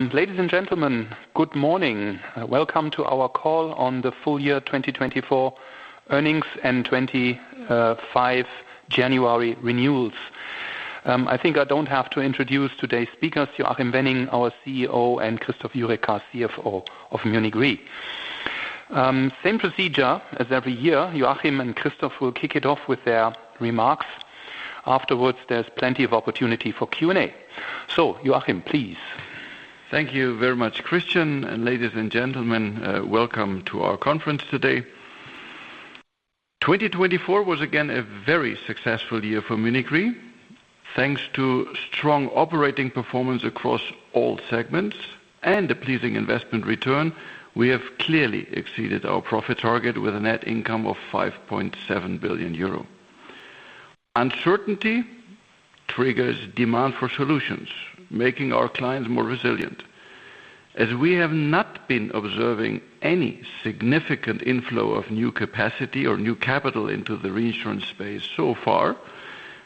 Ladies and gentlemen, good morning. Welcome to our call on the full year 2024 earnings and 2025 January renewals. I think I don't have to introduce today's speakers, Joachim Wenning, our CEO, and Christoph Jurecka, CFO of Munich Re. Same procedure as every year, Joachim and Christoph will kick it off with their remarks. Afterwards, there's plenty of opportunity for Q&A. So, Joachim, please. Thank you very much, Christian. And ladies and gentlemen, welcome to our conference today. 2024 was again a very successful year for Munich Re. Thanks to strong operating performance across all segments and a pleasing investment return, we have clearly exceeded our profit target with a net income of 5.7 billion euro. Uncertainty triggers demand for solutions, making our clients more resilient. As we have not been observing any significant inflow of new capacity or new capital into the reinsurance space so far,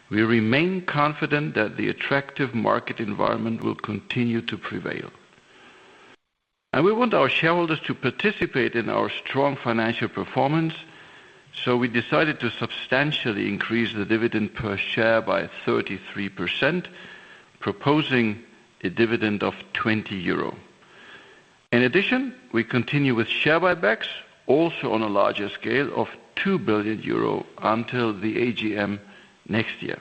we remain confident that the attractive market environment will continue to prevail. And we want our shareholders to participate in our strong financial performance, so we decided to substantially increase the dividend per share by 33%, proposing a dividend of 20 euro. In addition, we continue with share buybacks, also on a larger scale of 2 billion euro until the AGM next year.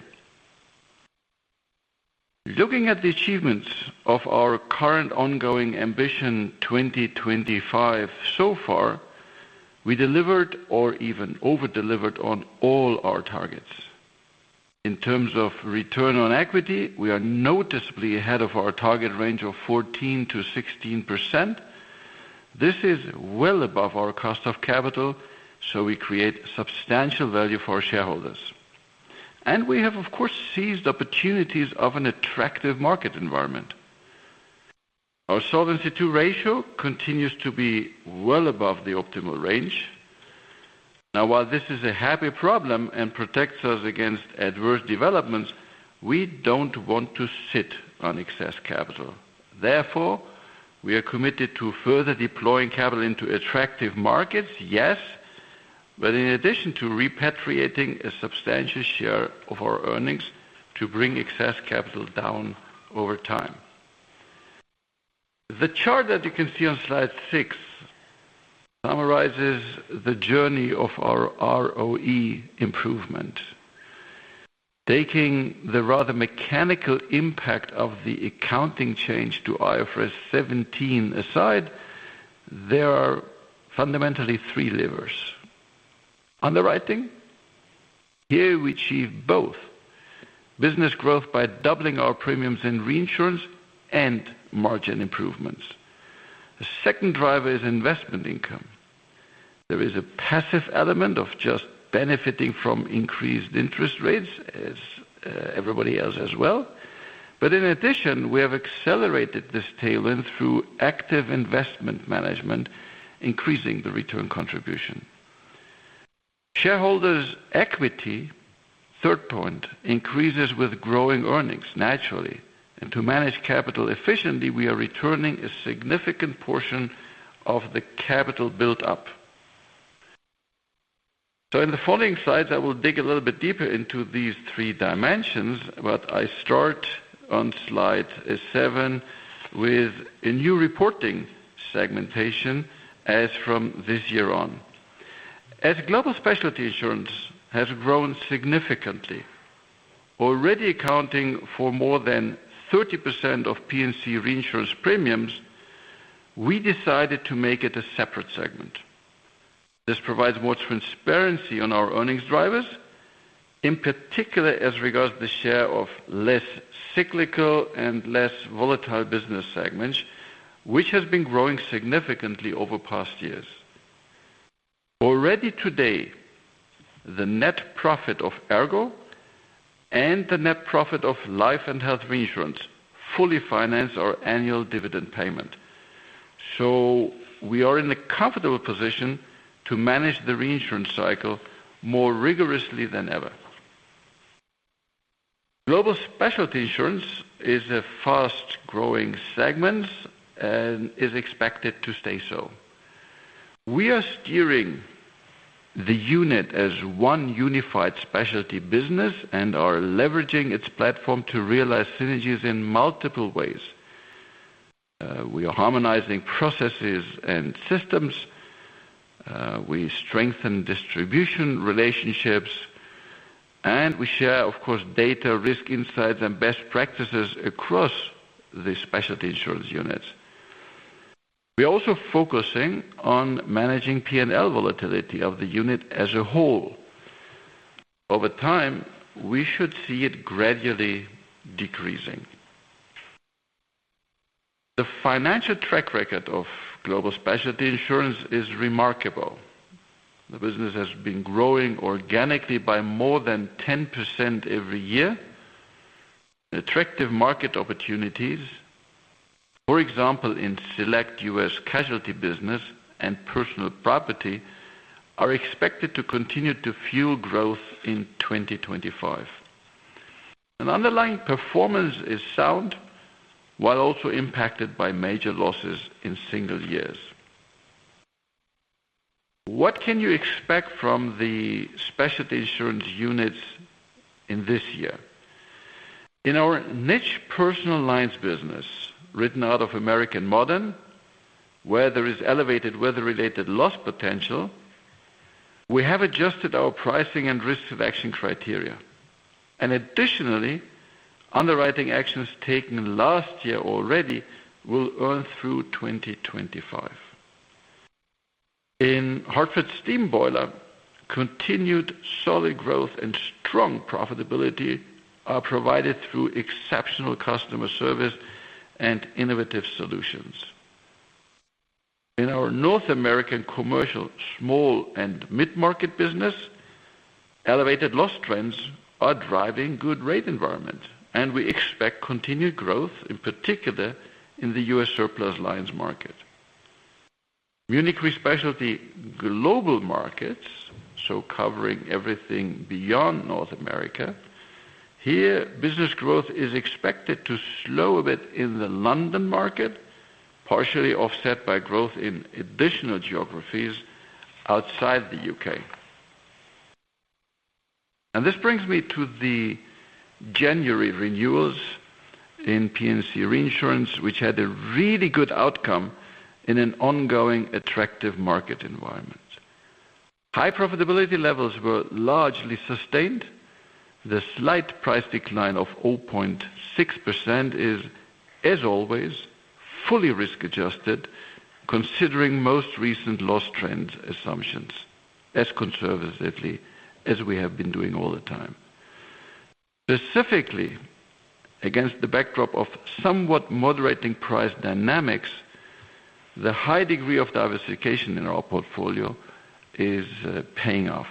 Looking at the achievements of our current ongoing Ambition 2025 so far, we delivered or even overdelivered on all our targets. In terms of return on equity, we are noticeably ahead of our target range of 14%-16%. This is well above our cost of capital, so we create substantial value for our shareholders. And we have, of course, seized opportunities of an attractive market environment. Our Solvency II ratio continues to be well above the optimal range. Now, while this is a happy problem and protects us against adverse developments, we don't want to sit on excess capital. Therefore, we are committed to further deploying capital into attractive markets, yes, but in addition to repatriating a substantial share of our earnings to bring excess capital down over time. The chart that you can see on slide six summarizes the journey of our ROE improvement. Taking the rather mechanical impact of the accounting change to IFRS 17 aside, there are fundamentally three levers. Underwriting, here we achieve both business growth by doubling our premiums in reinsurance and margin improvements. The second driver is investment income. There is a passive element of just benefiting from increased interest rates, as everybody else as well. But in addition, we have accelerated this tailwind through active investment management, increasing the return contribution. Shareholders' equity, third point, increases with growing earnings naturally, and to manage capital efficiently, we are returning a significant portion of the capital built up, so in the following slides, I will dig a little bit deeper into these three dimensions, but I start on slide seven with a new reporting segmentation as from this year on. As global specialty insurance has grown significantly, already accounting for more than 30% of P&C reinsurance premiums, we decided to make it a separate segment. This provides more transparency on our earnings drivers, in particular as regards the share of less cyclical and less volatile business segments, which has been growing significantly over past years. Already today, the net profit of ERGO and the net profit of Life and Health Reinsurance fully finance our annual dividend payment. So we are in a comfortable position to manage the reinsurance cycle more rigorously than ever. Global specialty insurance is a fast-growing segment and is expected to stay so. We are steering the unit as one unified specialty business and are leveraging its platform to realize synergies in multiple ways. We are harmonizing processes and systems. We strengthen distribution relationships, and we share, of course, data, risk insights, and best practices across the specialty insurance units. We are also focusing on managing P&L volatility of the unit as a whole. Over time, we should see it gradually decreasing. The financial track record of global specialty insurance is remarkable. The business has been growing organically by more than 10% every year. Attractive market opportunities, for example, in select U.S. casualty business and personal property, are expected to continue to fuel growth in 2025. And underlying performance is sound, while also impacted by major losses in single years. What can you expect from the specialty insurance units in this year? In our niche personal lines business, written out of American Modern, where there is elevated weather-related loss potential, we have adjusted our pricing and risk selection criteria. And additionally, underwriting actions taken last year already will earn through 2025. In Hartford Steam Boiler, continued solid growth and strong profitability are provided through exceptional customer service and innovative solutions. In our North American commercial small and mid-market business, elevated loss trends are driving a good rate environment, and we expect continued growth, in particular in the U.S. Surplus Lines market. Munich Re Specialty Global Markets, so covering everything beyond North America, here business growth is expected to slow a bit in the London market, partially offset by growth in additional geographies outside the U.K. And this brings me to the January renewals in P&C Reinsurance, which had a really good outcome in an ongoing attractive market environment. High profitability levels were largely sustained. The slight price decline of 0.6% is, as always, fully risk-adjusted, considering most recent loss trends assumptions as conservatively as we have been doing all the time. Specifically, against the backdrop of somewhat moderating price dynamics, the high degree of diversification in our portfolio is paying off.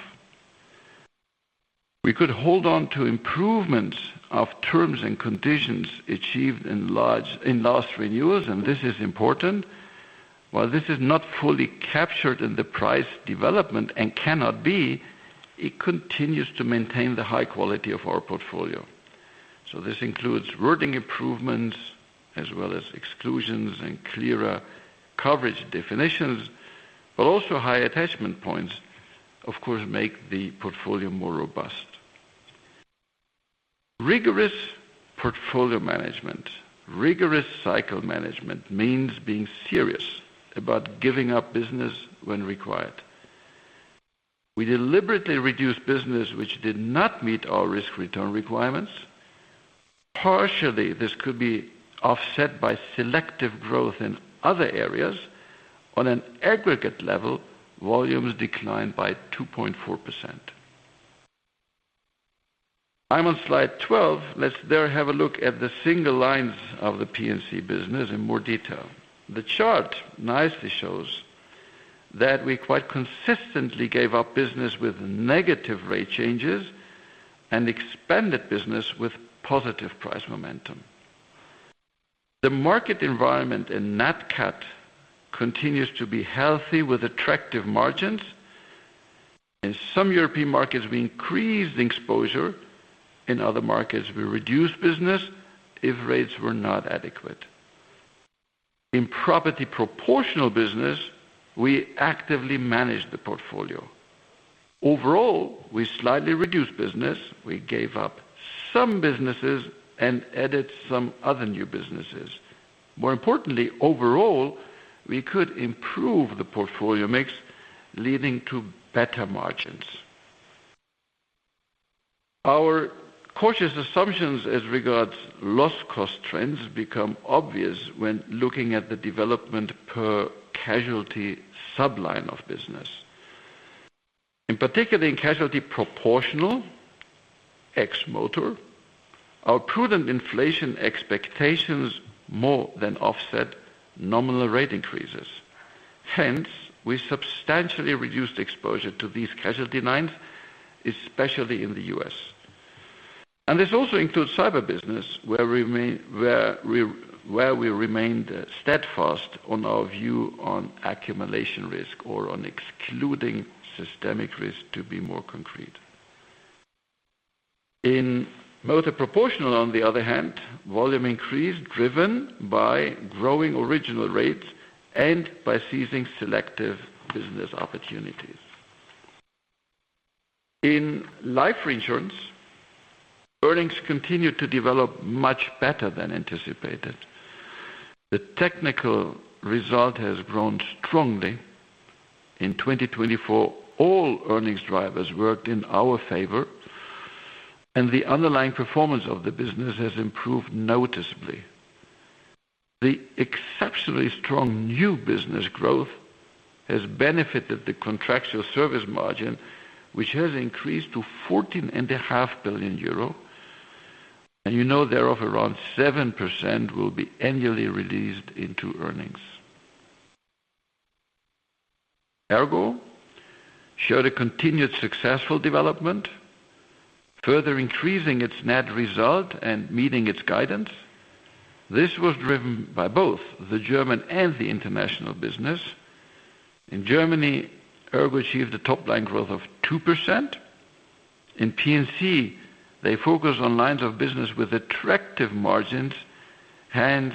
We could hold on to improvements of terms and conditions achieved in last renewals, and this is important. While this is not fully captured in the price development and cannot be, it continues to maintain the high quality of our portfolio. So this includes wording improvements as well as exclusions and clearer coverage definitions, but also high attachment points, of course, make the portfolio more robust. Rigorous portfolio management, rigorous cycle management means being serious about giving up business when required. We deliberately reduced business which did not meet our risk-return requirements. Partially, this could be offset by selective growth in other areas. On an aggregate level, volumes declined by 2.4%. I'm on slide 12. Let's have a look at the single lines of the P&C business in more detail. The chart nicely shows that we quite consistently gave up business with negative rate changes and expanded business with positive price momentum. The market environment in NatCat continues to be healthy with attractive margins. In some European markets, we increased exposure. In other markets, we reduced business if rates were not adequate. In property proportional business, we actively managed the portfolio. Overall, we slightly reduced business. We gave up some businesses and added some other new businesses. More importantly, overall, we could improve the portfolio mix, leading to better margins. Our cautious assumptions as regards loss-cost trends become obvious when looking at the development per casualty subline of business. In particular, in casualty proportional ex motor, our prudent inflation expectations more than offset nominal rate increases. Hence, we substantially reduced exposure to these casualty lines, especially in the U.S., and this also includes cyber business, where we remained steadfast on our view on accumulation risk or on excluding systemic risk to be more concrete. In motor proportional, on the other hand, volume increase driven by growing original rates and by seizing selective business opportunities. In life reinsurance, earnings continued to develop much better than anticipated. The technical result has grown strongly. In 2024, all earnings drivers worked in our favor, and the underlying performance of the business has improved noticeably. The exceptionally strong new business growth has benefited the contractual service margin, which has increased to 14.5 billion euro, and you know thereof around 7% will be annually released into earnings. Ergo showed a continued successful development, further increasing its net result and meeting its guidance. This was driven by both the German and the international business. In Germany, Ergo achieved a top-line growth of 2%. In P&C, they focus on lines of business with attractive margins, hence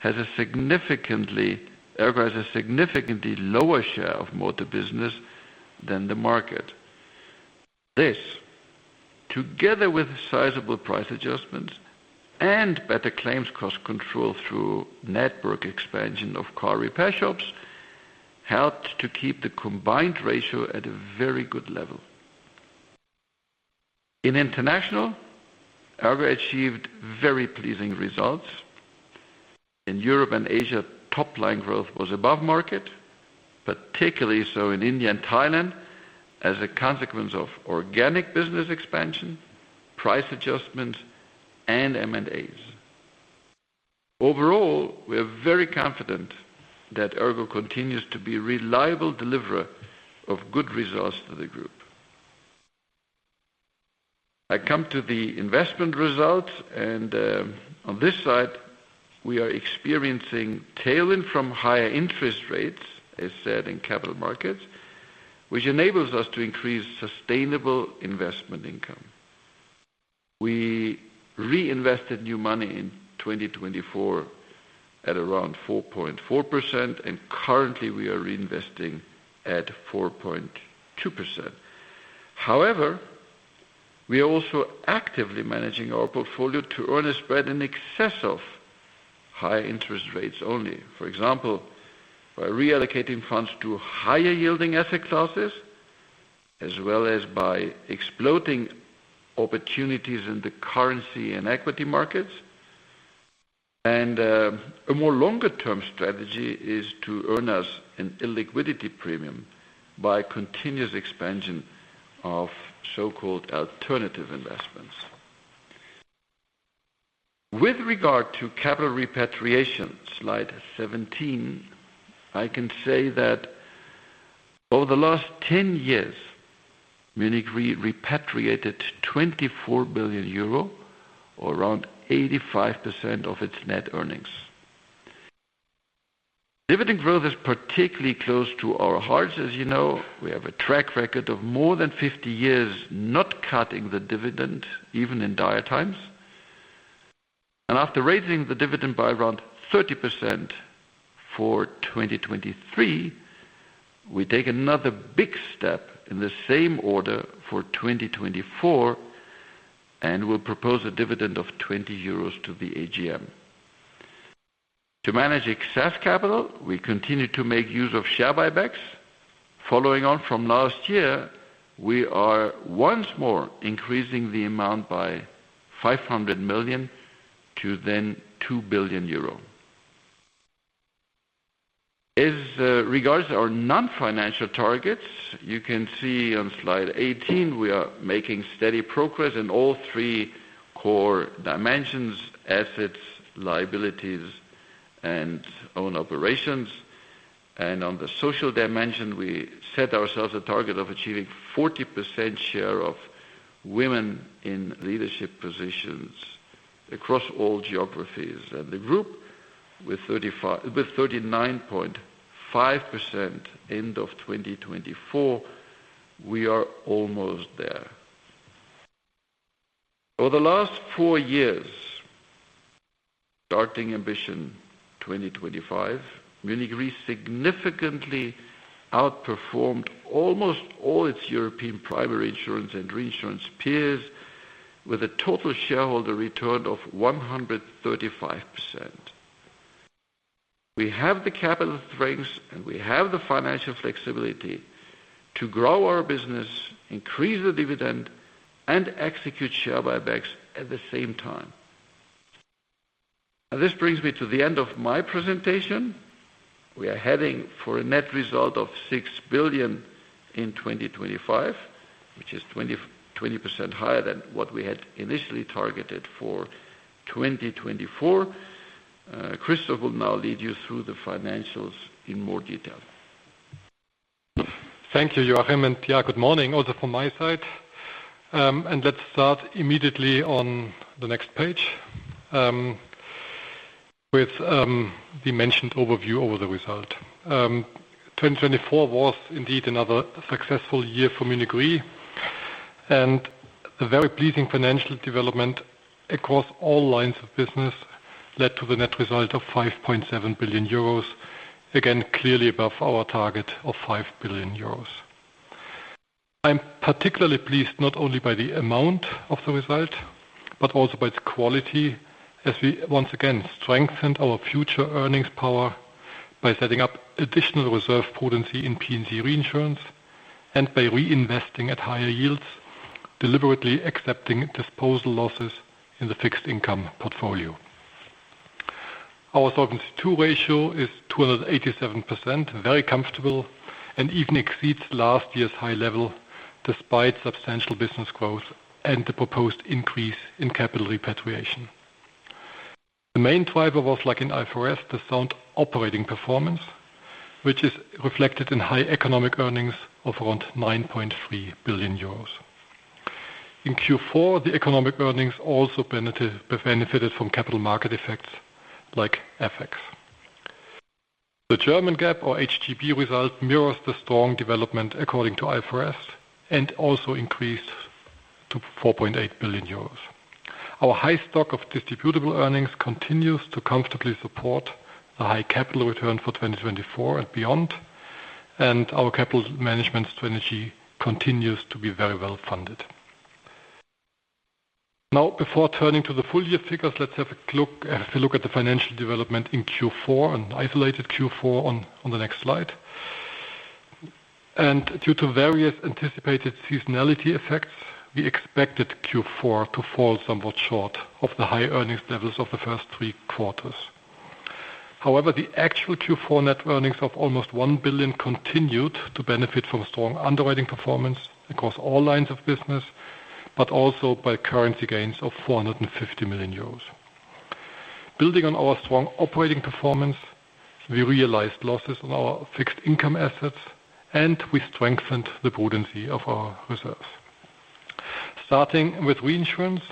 has a significantly lower share of motor business than the market. This, together with sizable price adjustments and better claims cost control through network expansion of car repair shops, helped to keep the combined ratio at a very good level. In international, Ergo achieved very pleasing results. In Europe and Asia, top-line growth was above market, particularly so in India and Thailand as a consequence of organic business expansion, price adjustments, and M&As. Overall, we are very confident that Ergo continues to be a reliable deliverer of good results to the group. I come to the investment results, and on this side, we are experiencing tailwind from higher interest rates, as said in capital markets, which enables us to increase sustainable investment income. We reinvested new money in 2024 at around 4.4%, and currently we are reinvesting at 4.2%. However, we are also actively managing our portfolio to earn a spread in excess of high interest rates only, for example, by reallocating funds to higher-yielding asset classes, as well as by exploiting opportunities in the currency and equity markets, and a more longer-term strategy is to earn us an illiquidity premium by continuous expansion of so-called alternative investments. With regard to capital repatriation, Slide 17, I can say that over the last 10 years, Munich Re repatriated 24 billion euro, or around 85% of its net earnings. Dividend growth is particularly close to our hearts. As you know, we have a track record of more than 50 years not cutting the dividend, even in dire times. After raising the dividend by around 30% for 2023, we take another big step in the same order for 2024, and we'll propose a dividend of €20 to the AGM. To manage excess capital, we continue to make use of share buybacks. Following on from last year, we are once more increasing the amount by €500 million to then €2 billion. As regards our non-financial targets, you can see on slide 18, we are making steady progress in all three core dimensions: assets, liabilities, and own operations. On the social dimension, we set ourselves a target of achieving a 40% share of women in leadership positions across all geographies. The group, with 39.5% end of 2024, we are almost there. Over the last four years, starting Ambition 2025, Munich Re significantly outperformed almost all its European primary insurance and reinsurance peers, with a total shareholder return of 135%. We have the capital strengths, and we have the financial flexibility to grow our business, increase the dividend, and execute share buybacks at the same time. This brings me to the end of my presentation. We are heading for a net result of 6 billion in 2025, which is 20% higher than what we had initially targeted for 2024. Christoph will now lead you through the financials in more detail. Thank you, Joachim. Yeah, good morning also from my side. Let's start immediately on the next page with the mentioned overview of the result. 2024 was indeed another successful year for Munich Re, and the very pleasing financial development across all lines of business led to the net result of 5.7 billion euros, again, clearly above our target of 5 billion euros. I'm particularly pleased not only by the amount of the result, but also by its quality, as we once again strengthened our future earnings power by setting up additional reserve prudence in P&C Reinsurance and by reinvesting at higher yields, deliberately accepting disposal losses in the fixed income portfolio. Our Solvency II ratio is 287%, very comfortable, and even exceeds last year's high level despite substantial business growth and the proposed increase in capital repatriation. The main driver was, like in IFRS, the sound operating performance, which is reflected in high economic earnings of around 9.3 billion euros. In Q4, the economic earnings also benefited from capital market effects like FX. The German HGB result mirrors the strong development according to IFRS and also increased to 4.8 billion euros. Our high stock of distributable earnings continues to comfortably support the high capital return for 2024 and beyond, and our capital management strategy continues to be very well funded. Now, before turning to the full year figures, let's have a look at the financial development in Q4 and isolated Q4 on the next slide. Due to various anticipated seasonality effects, we expected Q4 to fall somewhat short of the high earnings levels of the first three quarters. However, the actual Q4 net earnings of almost 1 billion continued to benefit from strong underwriting performance across all lines of business, but also by currency gains of 450 million euros. Building on our strong operating performance, we realized losses on our fixed income assets, and we strengthened the prudence of our reserves. Starting with reinsurance,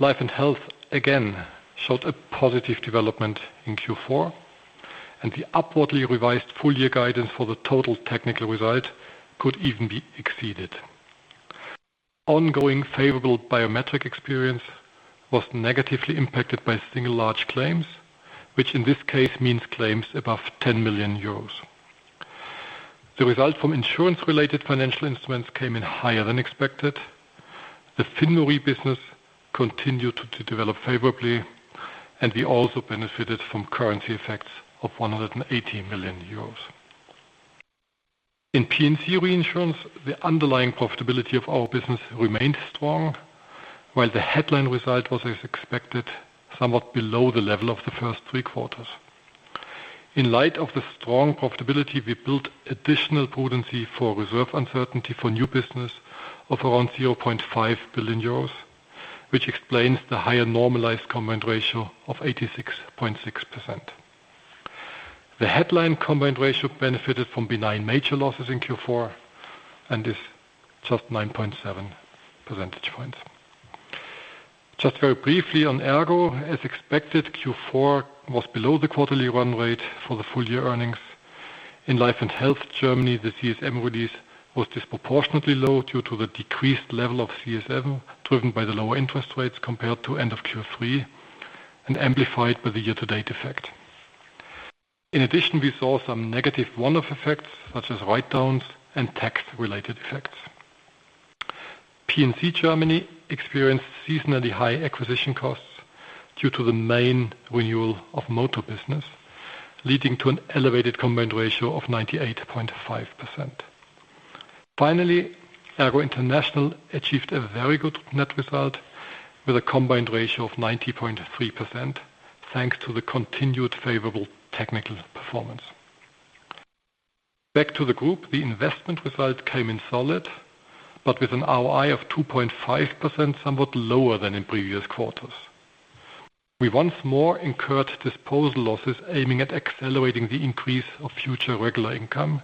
life and health again showed a positive development in Q4, and the upwardly revised full year guidance for the total technical result could even be exceeded. Ongoing favorable biometric experience was negatively impacted by single large claims, which in this case means claims above 10 million euros. The result from insurance-related financial instruments came in higher than expected. The FinRe business continued to develop favorably, and we also benefited from currency effects of 180 million euros. In P&C Reinsurance, the underlying profitability of our business remained strong, while the headline result was, as expected, somewhat below the level of the first three quarters. In light of the strong profitability, we built additional prudence for reserve uncertainty for new business of around 0.5 billion euros, which explains the higher normalized combined ratio of 86.6%. The headline combined ratio benefited from benign major losses in Q4, and this is just 9.7 percentage points. Just very briefly on Ergo, as expected, Q4 was below the quarterly run rate for the full year earnings. In life and health Germany, the CSM release was disproportionately low due to the decreased level of CSM driven by the lower interest rates compared to end of Q3 and amplified by the year-to-date effect. In addition, we saw some negative one-off effects such as write-downs and tax-related effects. P&C Germany experienced seasonally high acquisition costs due to the main renewal of motor business, leading to an elevated combined ratio of 98.5%. Finally, Ergo International achieved a very good net result with a combined ratio of 90.3%, thanks to the continued favorable technical performance. Back to the group, the investment result came in solid, but with an ROI of 2.5%, somewhat lower than in previous quarters. We once more incurred disposal losses aiming at accelerating the increase of future regular income,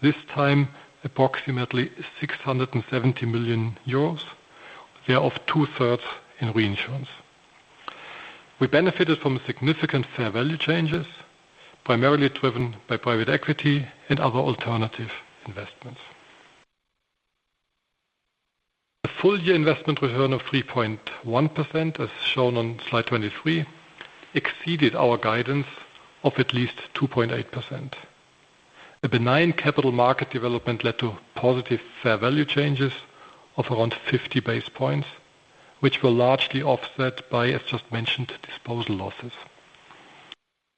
this time approximately 670 million euros, thereof two-thirds in reinsurance. We benefited from significant fair value changes, primarily driven by private equity and other alternative investments. The full year investment return of 3.1%, as shown on slide 23, exceeded our guidance of at least 2.8%. A benign capital market development led to positive fair value changes of around 50 base points, which were largely offset by, as just mentioned, disposal losses.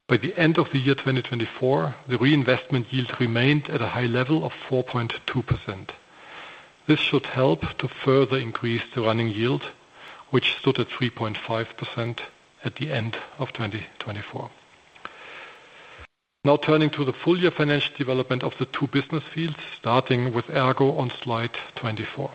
By the end of the year 2024, the reinvestment yield remained at a high level of 4.2%. This should help to further increase the running yield, which stood at 3.5% at the end of 2024. Now turning to the full year financial development of the two business fields, starting with Ergo on slide 24.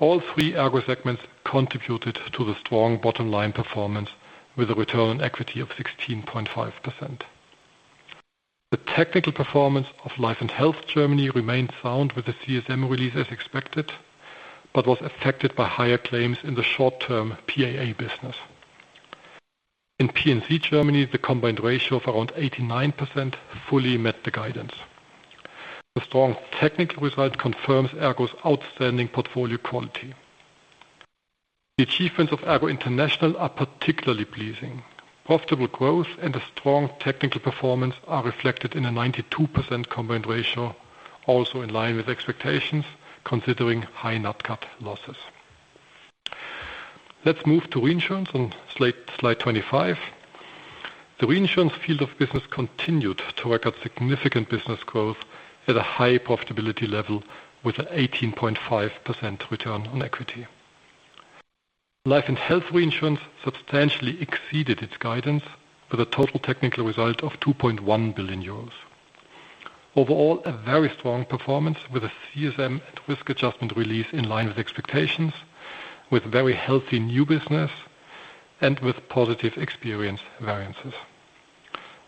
All three Ergo segments contributed to the strong bottom-line performance with a return on equity of 16.5%. The technical performance of life and health Germany remained sound with the CSM release, as expected, but was affected by higher claims in the short-term PAA business. In P&C Germany, the combined ratio of around 89% fully met the guidance. The strong technical result confirms Ergo's outstanding portfolio quality. The achievements of Ergo International are particularly pleasing. Profitable growth and a strong technical performance are reflected in a 92% combined ratio, also in line with expectations, considering high NatCat losses. Let's move to reinsurance on slide 25. The reinsurance field of business continued to record significant business growth at a high profitability level with an 18.5% return on equity. Life and Health Reinsurance substantially exceeded its guidance with a total technical result of €2.1 billion. Overall, a very strong performance with a CSM and risk adjustment release in line with expectations, with very healthy new business and with positive experience variances.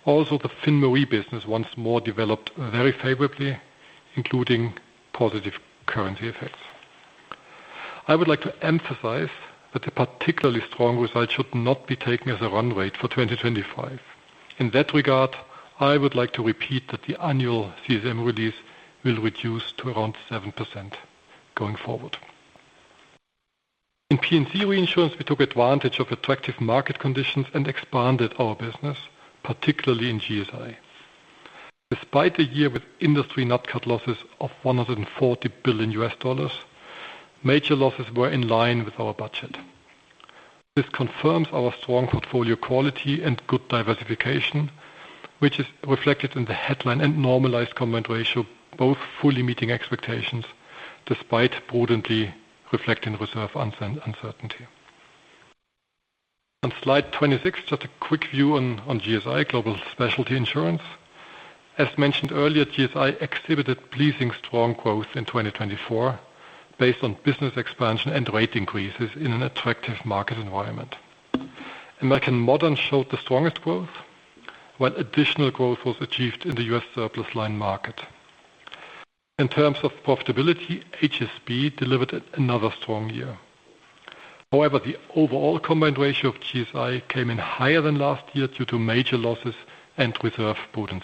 Also, the Fin Re business once more developed very favorably, including positive currency effects. I would like to emphasize that a particularly strong result should not be taken as a run rate for 2025. In that regard, I would like to repeat that the annual CSM release will reduce to around 7% going forward. In P&C Reinsurance, we took advantage of attractive market conditions and expanded our business, particularly in GSI. Despite a year with industry NatCat losses of €140 billion, major losses were in line with our budget. This confirms our strong portfolio quality and good diversification, which is reflected in the headline and normalized combined ratio, both fully meeting expectations despite prudently reflecting reserve uncertainty. On slide 26, just a quick view on GSI, Global Specialty Insurance. As mentioned earlier, GSI exhibited pleasing strong growth in 2024 based on business expansion and rate increases in an attractive market environment. American Modern showed the strongest growth, while additional growth was achieved in the US surplus line market. In terms of profitability, HSB delivered another strong year. However, the overall combined ratio of GSI came in higher than last year due to major losses and reserve prudence.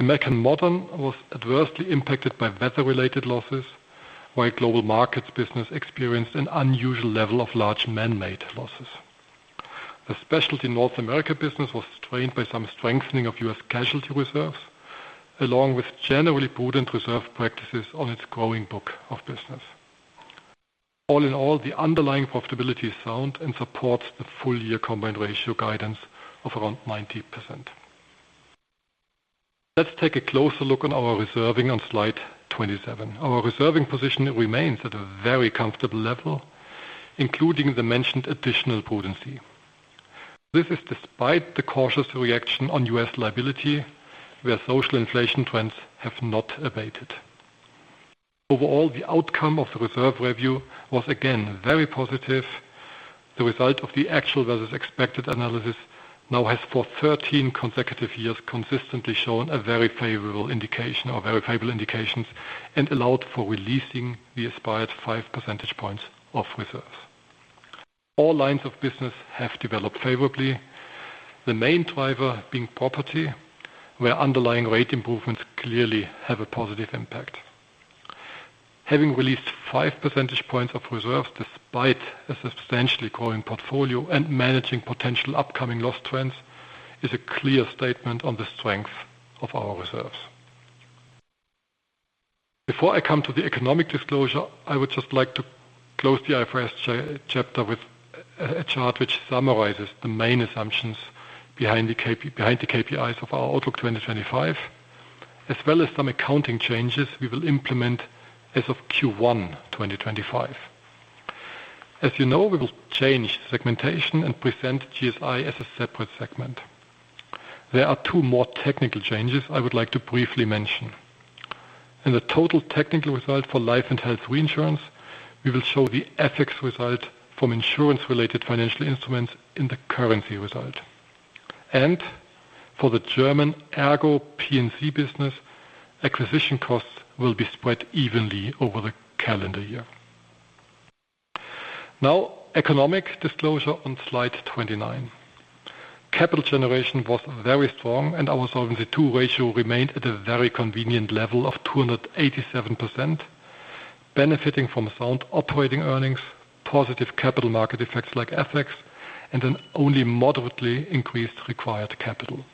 American Modern was adversely impacted by weather-related losses, while global markets business experienced an unusual level of large man-made losses. The Specialty North America business was strained by some strengthening of U.S. casualty reserves, along with generally prudent reserve practices on its growing book of business. All in all, the underlying profitability is sound and supports the full year combined ratio guidance of around 90%. Let's take a closer look on our reserving on slide 27. Our reserving position remains at a very comfortable level, including the mentioned additional prudency. This is despite the cautious reaction on U.S. liability, where social inflation trends have not abated. Overall, the outcome of the reserve review was again very positive. The result of the actual versus expected analysis now has, for 13 consecutive years, consistently shown a very favorable indication or very favorable indications and allowed for releasing the aspired 5 percentage points of reserves. All lines of business have developed favorably, the main driver being property, where underlying rate improvements clearly have a positive impact. Having released 5 percentage points of reserves despite a substantially growing portfolio and managing potential upcoming loss trends is a clear statement on the strength of our reserves. Before I come to the economic disclosure, I would just like to close the IFRS chapter with a chart which summarizes the main assumptions behind the KPIs of our Ambition 2025, as well as some accounting changes we will implement as of Q1 2025. As you know, we will change segmentation and present GSI as a separate segment. There are two more technical changes I would like to briefly mention. In the total technical result for life and health reinsurance, we will show the FX result from insurance-related financial instruments in the currency result. For the German Ergo P&C business, acquisition costs will be spread evenly over the calendar year. Now, economic disclosure on slide 29. Capital generation was very strong, and our Solvency II ratio remained at a very convenient level of 287%, benefiting from sound operating earnings, positive capital market effects like FX, and an only moderately increased required capital.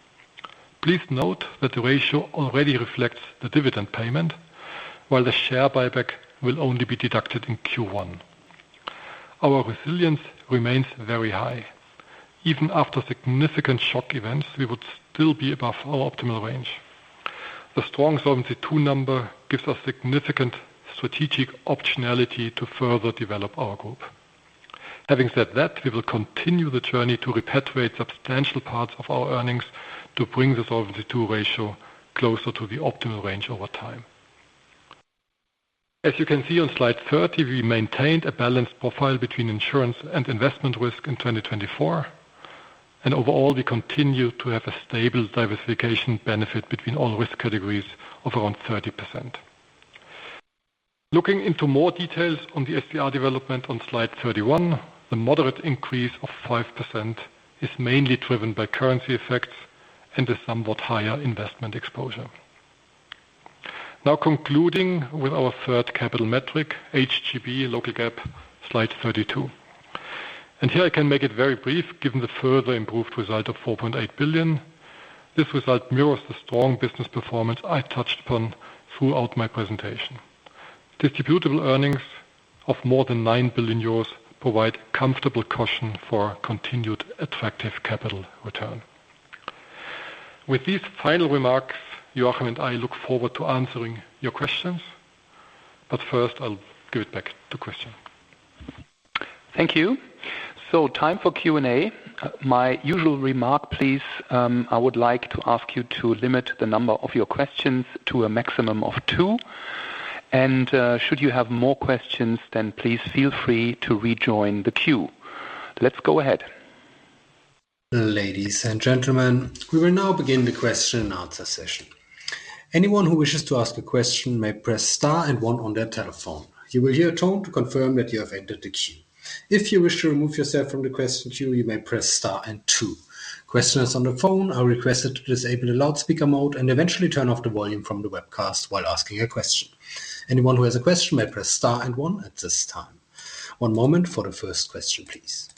Please note that the ratio already reflects the dividend payment, while the share buyback will only be deducted in Q1. Our resilience remains very high. Even after significant shock events, we would still be above our optimal range. The strong Solvency II number gives us significant strategic optionality to further develop our group. Having said that, we will continue the journey to repatriate substantial parts of our earnings to bring the Solvency II ratio closer to the optimal range over time. As you can see on slide 30, we maintained a balanced profile between insurance and investment risk in 2024. Overall, we continue to have a stable diversification benefit between all risk categories of around 30%. Looking into more details on the SCR development on slide 31, the moderate increase of 5% is mainly driven by currency effects and the somewhat higher investment exposure. Now concluding with our third capital metric, HGB local GAAP, slide 32. Here I can make it very brief, given the further improved result of 4.8 billion. This result mirrors the strong business performance I touched upon throughout my presentation. Distributable earnings of more than 9 billion euros provide comfortable cushion for continued attractive capital return. With these final remarks, Joachim and I look forward to answering your questions. First, I'll give it back to Christian. Thank you. Time for Q&A. My usual remark, please. I would like to ask you to limit the number of your questions to a maximum of two. Should you have more questions, then please feel free to rejoin the queue. Let's go ahead. Ladies and gentlemen, we will now begin the question and answer session. Anyone who wishes to ask a question may press star and one on their telephone. You will hear a tone to confirm that you have entered the queue. If you wish to remove yourself from the question queue, you may press star and two. Questioners on the phone are requested to disable the loudspeaker mode and eventually turn off the volume from the webcast while asking a question. Anyone who has a question may press star and one at this time. One moment for the first question, please.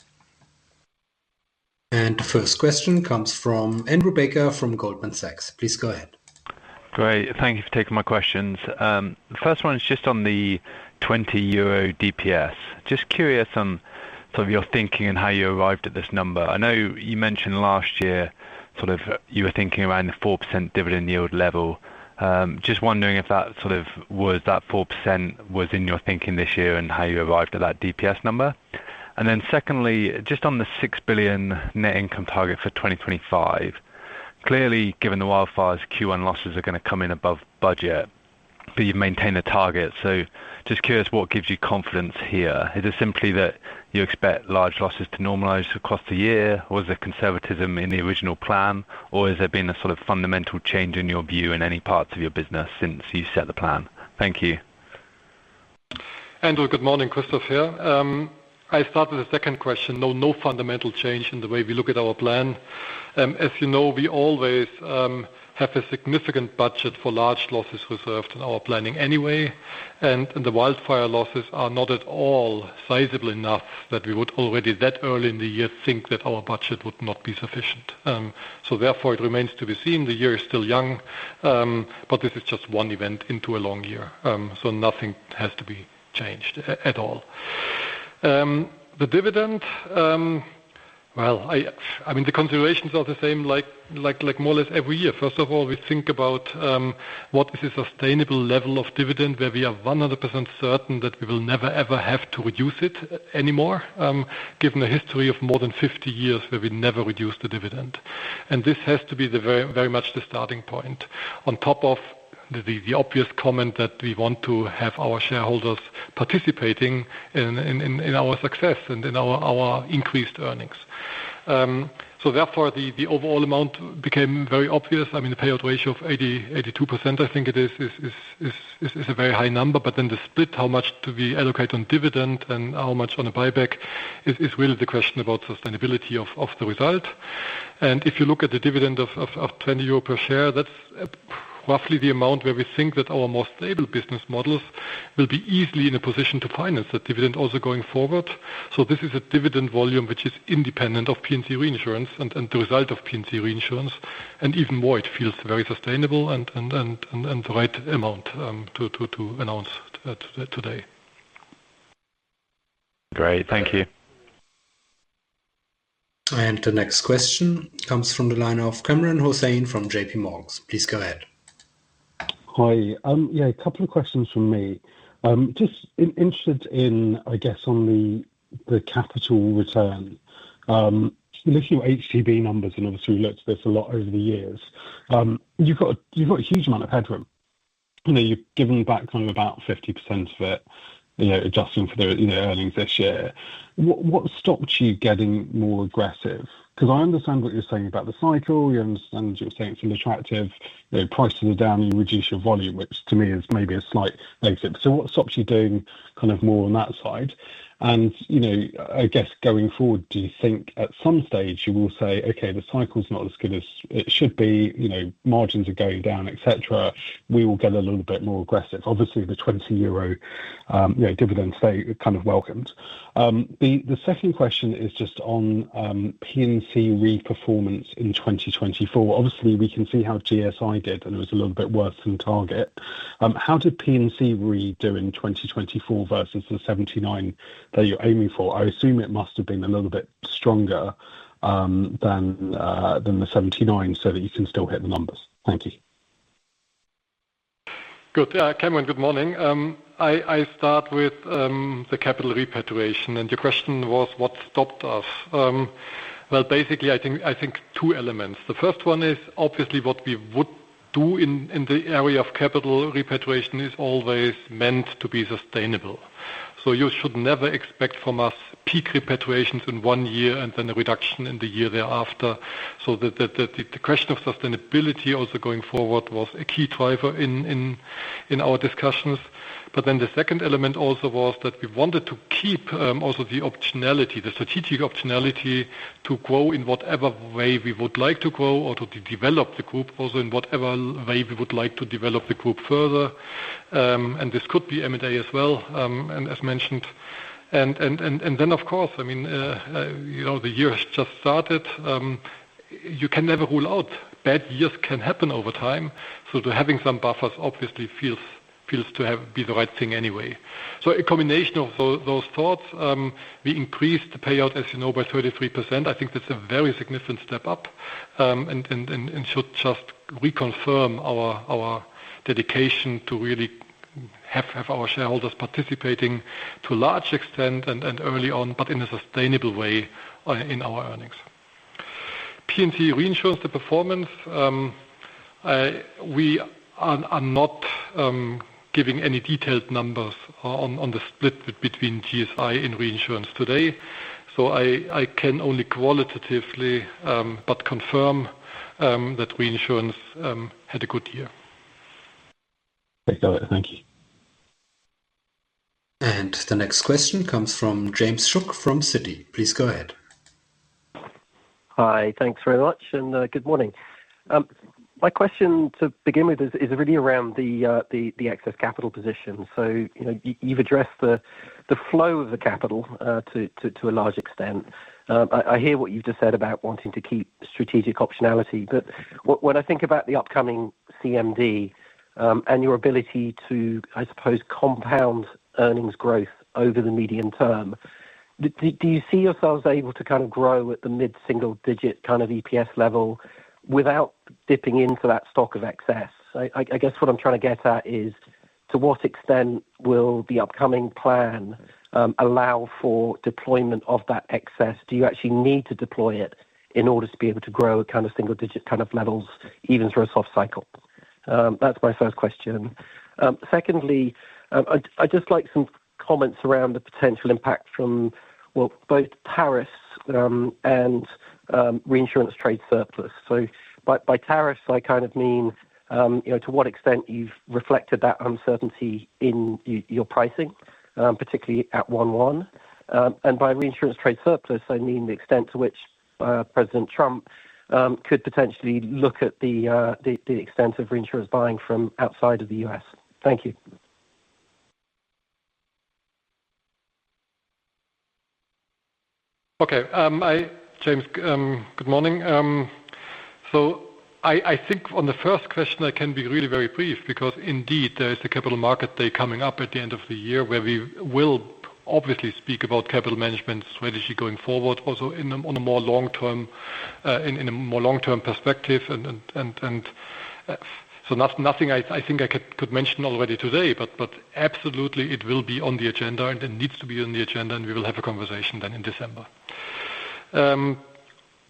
The first question comes from Andrew Baker from Goldman Sachs. Please go ahead. Great. Thank you for taking my questions. The first one is just on the €20 DPS. Just curious on sort of your thinking and how you arrived at this number. I know you mentioned last year sort of you were thinking around the 4% dividend yield level. Just wondering if that sort of was that 4% was in your thinking this year and how you arrived at that DPS number. And then secondly, just on the €6 billion net income target for 2025, clearly given the wildfire, Q1 losses are going to come in above budget, but you've maintained a target. So just curious what gives you confidence here. Is it simply that you expect large losses to normalize across the year, or is there conservatism in the original plan, or has there been a sort of fundamental change in your view in any parts of your business since you set the plan? Thank you. Andrew, good morning, Christoph here. I start with a second question. No, no fundamental change in the way we look at our plan. As you know, we always have a significant budget for large losses reserved in our planning anyway. And the wildfire losses are not at all sizable enough that we would already that early in the year think that our budget would not be sufficient. So therefore, it remains to be seen. The year is still young, but this is just one event into a long year. So nothing has to be changed at all. The dividend, well, I mean, the considerations are the same like more or less every year. First of all, we think about what is a sustainable level of dividend where we are 100% certain that we will never, ever have to reduce it anymore, given a history of more than 50 years where we never reduced the dividend, and this has to be very much the starting point on top of the obvious comment that we want to have our shareholders participating in our success and in our increased earnings, so therefore, the overall amount became very obvious. I mean, the payout ratio of 82%, I think it is, is a very high number, but then the split, how much do we allocate on dividend and how much on a buyback is really the question about sustainability of the result. If you look at the dividend of €20 per share, that's roughly the amount where we think that our more stable business models will be easily in a position to finance that dividend also going forward. So this is a dividend volume which is independent of P&C Reinsurance and the result of P&C Reinsurance. And even more, it feels very sustainable and the right amount to announce today. Great. Thank you. And the next question comes from the line of Kamran Hossain from J.P. Morgan. Please go ahead. Hi. Yeah, a couple of questions from me. Just interested in, I guess, on the capital return. You list your HGB numbers, and obviously, we looked at this a lot over the years. You've got a huge amount of headroom. You've given back kind of about 50% of it, adjusting for the earnings this year. What stopped you getting more aggressive? Because I understand what you're saying about the cycle. You understand you're saying it's an attractive prices are down. Reduce your volume, which to me is maybe a slight exit. So what stops you doing kind of more on that side? And I guess going forward, do you think at some stage you will say, "Okay, the cycle is not as good as it should be. Margins are going down," etc.? We will get a little bit more aggressive. Obviously, the 20 euro dividend stay kind of welcomed. The second question is just on P&C Re performance in 2024. Obviously, we can see how GSI did, and it was a little bit worse than target. How did P&C Re do in 2024 versus the 79 that you're aiming for? I assume it must have been a little bit stronger than the 79 so that you can still hit the numbers. Thank you. Good. Kamran, good morning. I start with the capital repatriation. And your question was, what stopped us? Well, basically, I think two elements. The first one is, obviously, what we would do in the area of capital repatriation is always meant to be sustainable. So you should never expect from us peak repatriations in one year and then a reduction in the year thereafter. So the question of sustainability also going forward was a key driver in our discussions. But then the second element also was that we wanted to keep also the optionality, the strategic optionality to grow in whatever way we would like to grow or to develop the group, also in whatever way we would like to develop the group further. And this could be M&A as well, as mentioned. And then, of course, I mean, the year has just started. You can never rule out. Bad years can happen over time. So having some buffers obviously feels to be the right thing anyway. So a combination of those thoughts, we increased the payout, as you know, by 33%. I think that's a very significant step up and should just reconfirm our dedication to really have our shareholders participating to a large extent and early on, but in a sustainable way in our earnings. P&C Reinsurance, the performance, we are not giving any detailed numbers on the split between GSI and Reinsurance today. So I can only qualitatively but confirm that Reinsurance had a good year. Thank you. And the next question comes from James Schuck from Citi. Please go ahead. Hi. Thanks very much. And good morning. My question to begin with is really around the excess capital position. So you've addressed the flow of the capital to a large extent. I hear what you've just said about wanting to keep strategic optionality. But when I think about the upcoming CMD and your ability to, I suppose, compound earnings growth over the medium term, do you see yourselves able to kind of grow at the mid-single-digit kind of EPS level without dipping into that stock of excess? I guess what I'm trying to get at is to what extent will the upcoming plan allow for deployment of that excess? Do you actually need to deploy it in order to be able to grow at kind of single-digit kind of levels even through a soft cycle? That's my first question. Secondly, I'd just like some comments around the potential impact from both tariffs and reinsurance trade surplus. By tariffs, I kind of mean to what extent you've reflected that uncertainty in your pricing, particularly at 1.1. And by reinsurance trade surplus, I mean the extent to which President Trump could potentially look at the extent of reinsurance buying from outside of the U.S. Thank you. Okay. James, good morning. I think on the first question, I can be really very brief because indeed, there is a capital market day coming up at the end of the year where we will obviously speak about capital management strategy going forward also on a more long-term perspective. Nothing I think I could mention already today, but absolutely, it will be on the agenda and it needs to be on the agenda, and we will have a conversation then in December.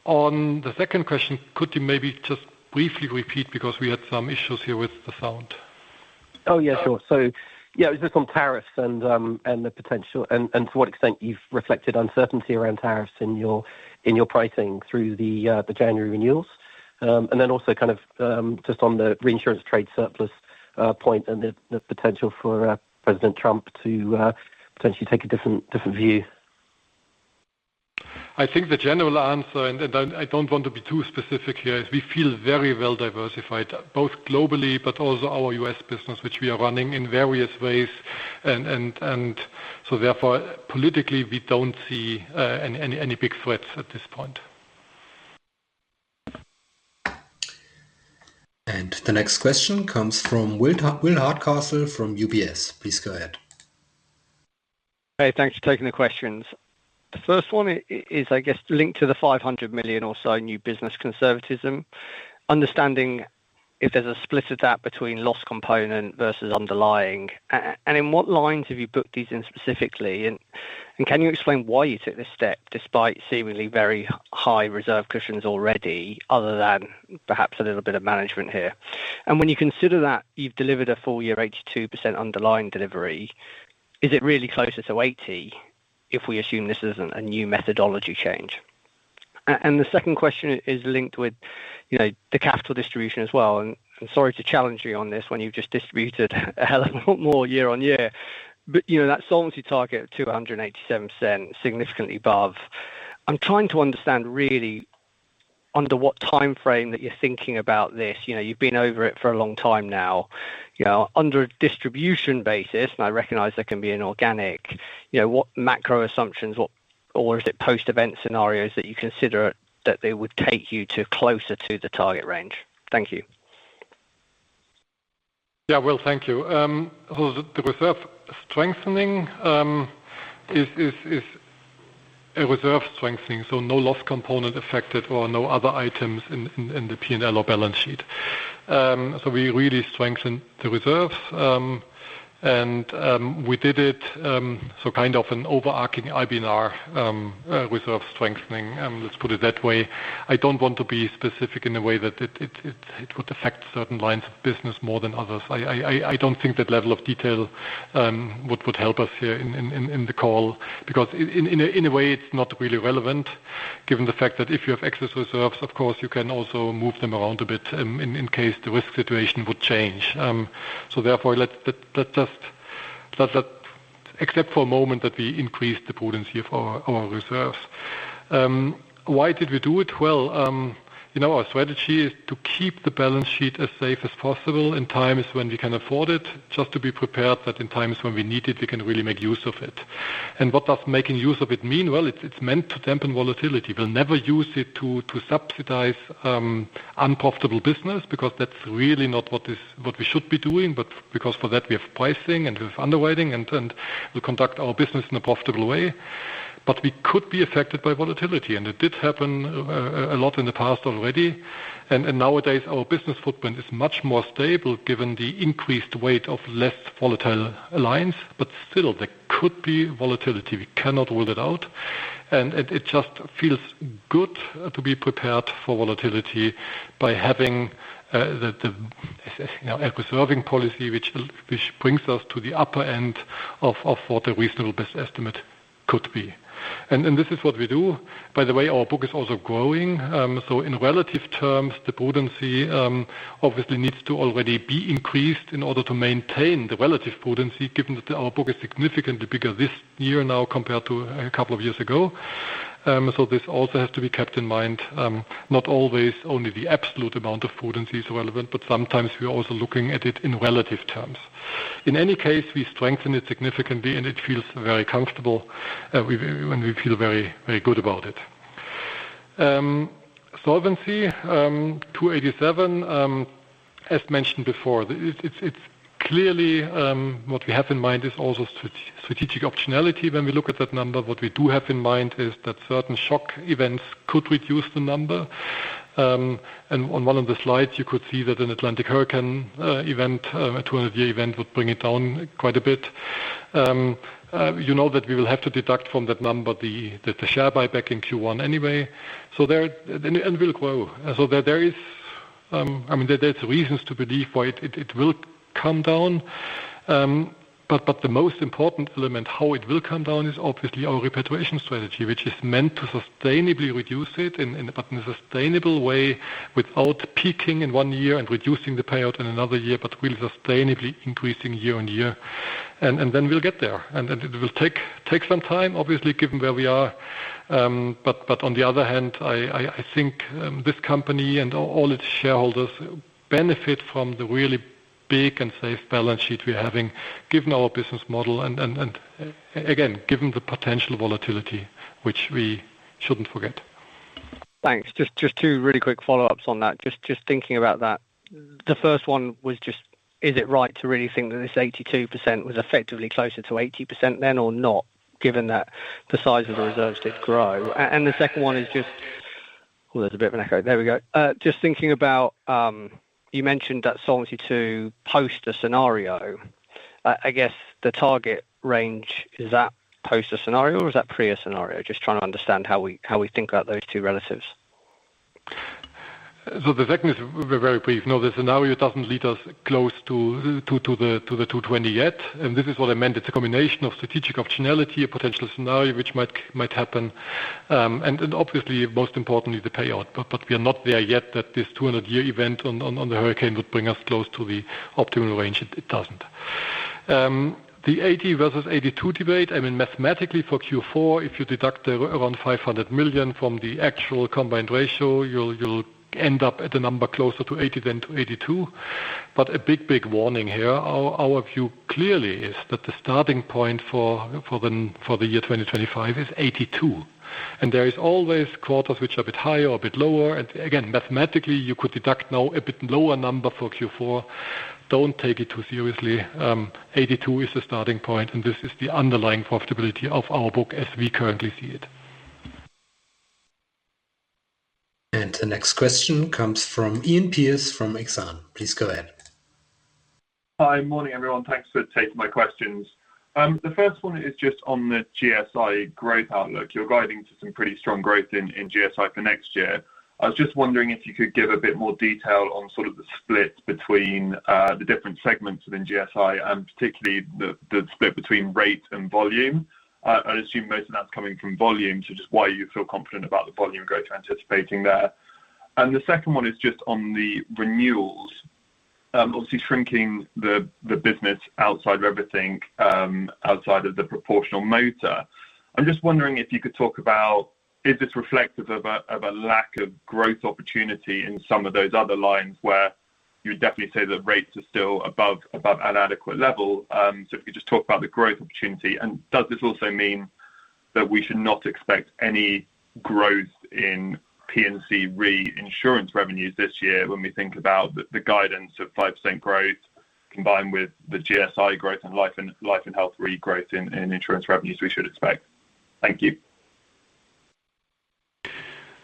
On the second question, could you maybe just briefly repeat because we had some issues here with the sound? Oh, yeah, sure. So yeah, it was just on tariffs and the potential and to what extent you've reflected uncertainty around tariffs in your pricing through the January renewals. And then also kind of just on the reinsurance trade surplus point and the potential for President Trump to potentially take a different view. I think the general answer, and I don't want to be too specific here, is we feel very well diversified both globally, but also our U.S. business, which we are running in various ways. And so therefore, politically, we don't see any big threats at thispoint. And the next question comes from Will Hardcastle from UBS. Please go ahead. Hey, thanks for taking the questions. The first one is, I guess, linked to the 500 million or so new business conservatism, understanding if there's a split of that between loss component versus underlying. And in what lines have you booked these in specifically? And can you explain why you took this step despite seemingly very high reserve cushions already, other than perhaps a little bit of management here? And when you consider that you've delivered a full year 82% underlying delivery, is it really closer to 80 if we assume this isn't a new methodology change? And the second question is linked with the capital distribution as well. And sorry to challenge you on this when you've just distributed a hell of a lot more year on year, but that Solvency target of 287% significantly above. I'm trying to understand really under what timeframe that you're thinking about this. You've been over it for a long time now. Under a distribution basis, and I recognize there can be an organic, what macro assumptions, or is it post-event scenarios that you consider that they would take you to closer to the target range? Thank you. Yeah, well, thank you. So the reserve strengthening is a reserve strengthening. So no loss component affected or no other items in the P&L or balance sheet. So we really strengthened the reserves. And we did it so kind of an overarching IBNR reserve strengthening, let's put it that way. I don't want to be specific in a way that it would affect certain lines of business more than others. I don't think that level of detail would help us here in the call because in a way, it's not really relevant given the fact that if you have excess reserves, of course, you can also move them around a bit in case the risk situation would change. So therefore, let's just accept for a moment that we increased the prudency of our reserves. Why did we do it? Well, our strategy is to keep the balance sheet as safe as possible in times when we can afford it, just to be prepared that in times when we need it, we can really make use of it. And what does making use of it mean? Well, it's meant to dampen volatility. We'll never use it to subsidize unprofitable business because that's really not what we should be doing, but because for that, we have pricing and we have underwriting and we'll conduct our business in a profitable way, but we could be affected by volatility, and it did happen a lot in the past already and nowadays, our business footprint is much more stable given the increased weight of less volatile lines, but still, there could be volatility, we cannot rule it out, and it just feels good to be prepared for volatility by having the reserving policy, which brings us to the upper end of what a reasonable best estimate could be, and this is what we do. By the way, our book is also growing. So in relative terms, the prudency obviously needs to already be increased in order to maintain the relative prudency given that our book is significantly bigger this year now compared to a couple of years ago. So this also has to be kept in mind. Not always only the absolute amount of prudency is relevant, but sometimes we're also looking at it in relative terms. In any case, we strengthen it significantly, and it feels very comfortable when we feel very good about it. Solvency, 287, as mentioned before, it's clearly what we have in mind is also strategic optionality. When we look at that number, what we do have in mind is that certain shock events could reduce the number. And on one of the slides, you could see that an Atlantic hurricane event, a 200-year event, would bring it down quite a bit. You know that we will have to deduct from that number the share buyback in Q1 anyway, so there and we'll grow, so there is, I mean, there's reasons to believe why it will come down, but the most important element, how it will come down, is obviously our repatriation strategy, which is meant to sustainably reduce it in a sustainable way without peaking in one year and reducing the payout in another year, but really sustainably increasing year on year, and then we'll get there, and it will take some time, obviously, given where we are, but on the other hand, I think this company and all its shareholders benefit from the really big and safe balance sheet we're having, given our business model and, again, given the potential volatility, which we shouldn't forget. Thanks. Just two really quick follow-ups on that. Just thinking about that, the first one was just, is it right to really think that this 82% was effectively closer to 80% than or not, given that the size of the reserves did grow? And the second one is just, just thinking about, you mentioned that Solvency II post a scenario. I guess the target range, is that post a scenario or is that pre a scenario? Just trying to understand how we think about those two relatively. So the second is very brief. No, the scenario doesn't lead us close to the 220 yet. And this is what I meant. It's a combination of strategic optionality, a potential scenario which might happen. And obviously, most importantly, the payout. But we are not there yet that this 200-year event on the hurricane would bring us close to the optimal range. It doesn't. The 80% versus 82% debate, I mean, mathematically for Q4, if you deduct around 500 million from the actual combined ratio, you'll end up at a number closer to 80% than to 82%. But a big, big warning here, our view clearly is that the starting point for the year 2025 is 82%. And there is always quarters which are a bit higher or a bit lower. And again, mathematically, you could deduct now a bit lower number for Q4. Don't take it too seriously. 82% is the starting point, and this is the underlying profitability of our book as we currently see it. And the next question comes from Iain Pearce from Exane. Please go ahead. Hi, morning, everyone. Thanks for taking my questions. The first one is just on the GSI growth outlook. You're guiding to some pretty strong growth in GSI for next year. I was just wondering if you could give a bit more detail on sort of the split between the different segments within GSI and particularly the split between rate and volume. I assume most of that's coming from volume, so just why you feel confident about the volume growth you're anticipating there. And the second one is just on the renewals, obviously shrinking the business outside of everything, outside of the proportional motor. I'm just wondering if you could talk about, is this reflective of a lack of growth opportunity in some of those other lines where you would definitely say that rates are still above an adequate level? So if you could just talk about the growth opportunity. Does this also mean that we should not expect any growth in P&C reinsurance revenues this year when we think about the guidance of 5% growth combined with the GSI growth and life and health reinsurance growth in insurance revenues we should expect? Thank you.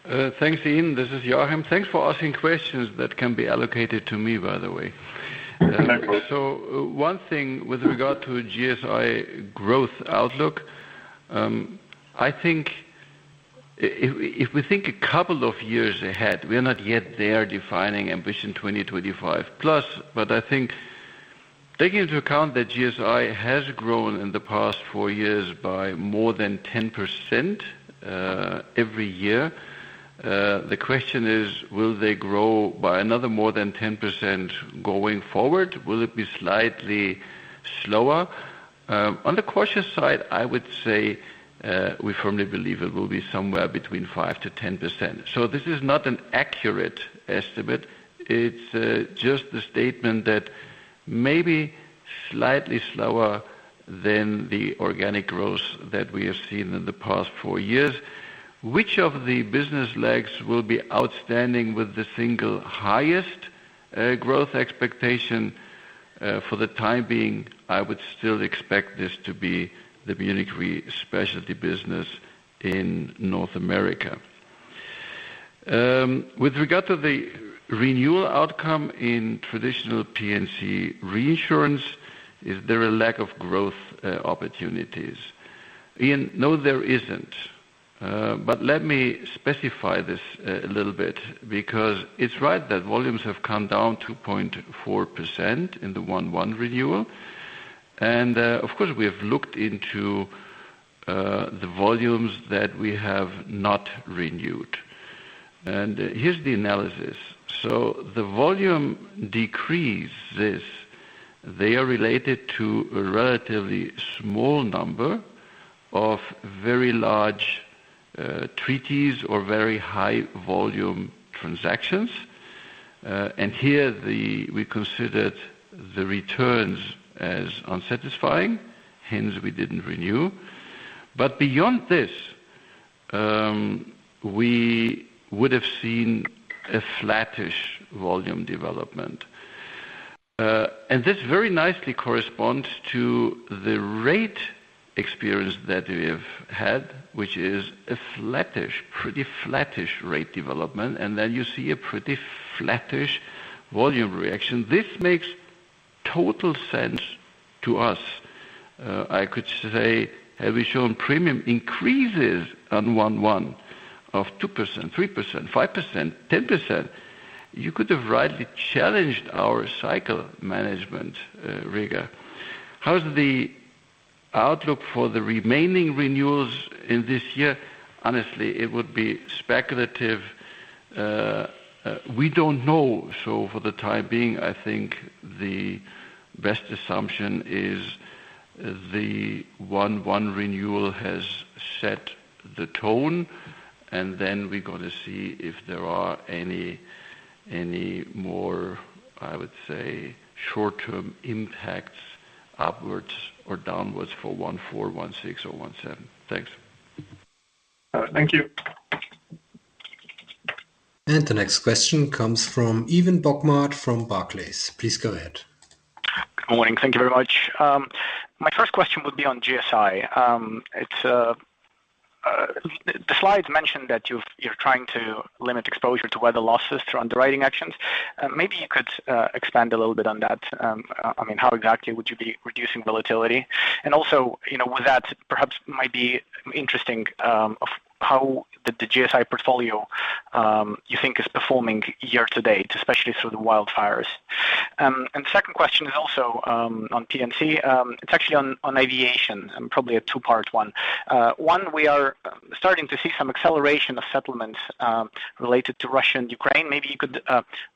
Thanks, Iain. This is Joachim. Thanks for asking questions that can be allocated to me, by the way. One thing with regard to GSI growth outlook, I think if we think a couple of years ahead, we are not yet there defining Ambition 2025 plus. But I think taking into account that GSI has grown in the past four years by more than 10% every year, the question is, will they grow by another more than 10% going forward? Will it be slightly slower? On the cautious side, I would say we firmly believe it will be somewhere between 5%-10%. This is not an accurate estimate. It's just the statement that maybe slightly slower than the organic growth that we have seen in the past four years. Which of the business legs will be outstanding with the single highest growth expectation? For the time being, I would still expect this to be the Munich Re specialty business in North America. With regard to the renewal outcome in traditional P&C reinsurance, is there a lack of growth opportunities? Ian, no, there isn't. But let me specify this a little bit because it's right that volumes have come down 2.4% in the 1-1 renewal. And of course, we have looked into the volumes that we have not renewed. And here's the analysis. So the volume decreases, they are related to a relatively small number of very large treaties or very high volume transactions. And here, we considered the returns as unsatisfying, hence we didn't renew. But beyond this, we would have seen a flattish volume development. And this very nicely corresponds to the rate experience that we have had, which is a flattish, pretty flattish rate development. And then you see a pretty flattish volume reaction. This makes total sense to us. I could say, have we shown premium increases on 1-1 of 2%, 3%, 5%, 10%? You could have rightly challenged our cycle management rigor. How's the outlook for the remaining renewals in this year? Honestly, it would be speculative. We don't know. So for the time being, I think the best assumption is the 1-1 renewal has set the tone. And then we're going to see if there are any more, I would say, short-term impacts upwards or downwards for 1-4, 1-6, or 1-7. Thanks. Thank you. The next question comes from Ivan Bokhmat from Barclays. Please go ahead. Good morning. Thank you very much. My first question would be on GSI. The slides mentioned that you're trying to limit exposure to weather losses through underwriting actions. Maybe you could expand a little bit on that. I mean, how exactly would you be reducing volatility? And also with that, perhaps might be interesting how the GSI portfolio you think is performing year to date, especially through the wildfires. And the second question is also on P&C. It's actually on aviation and probably a two-part one. One, we are starting to see some acceleration of settlements related to Russia and Ukraine. Maybe you could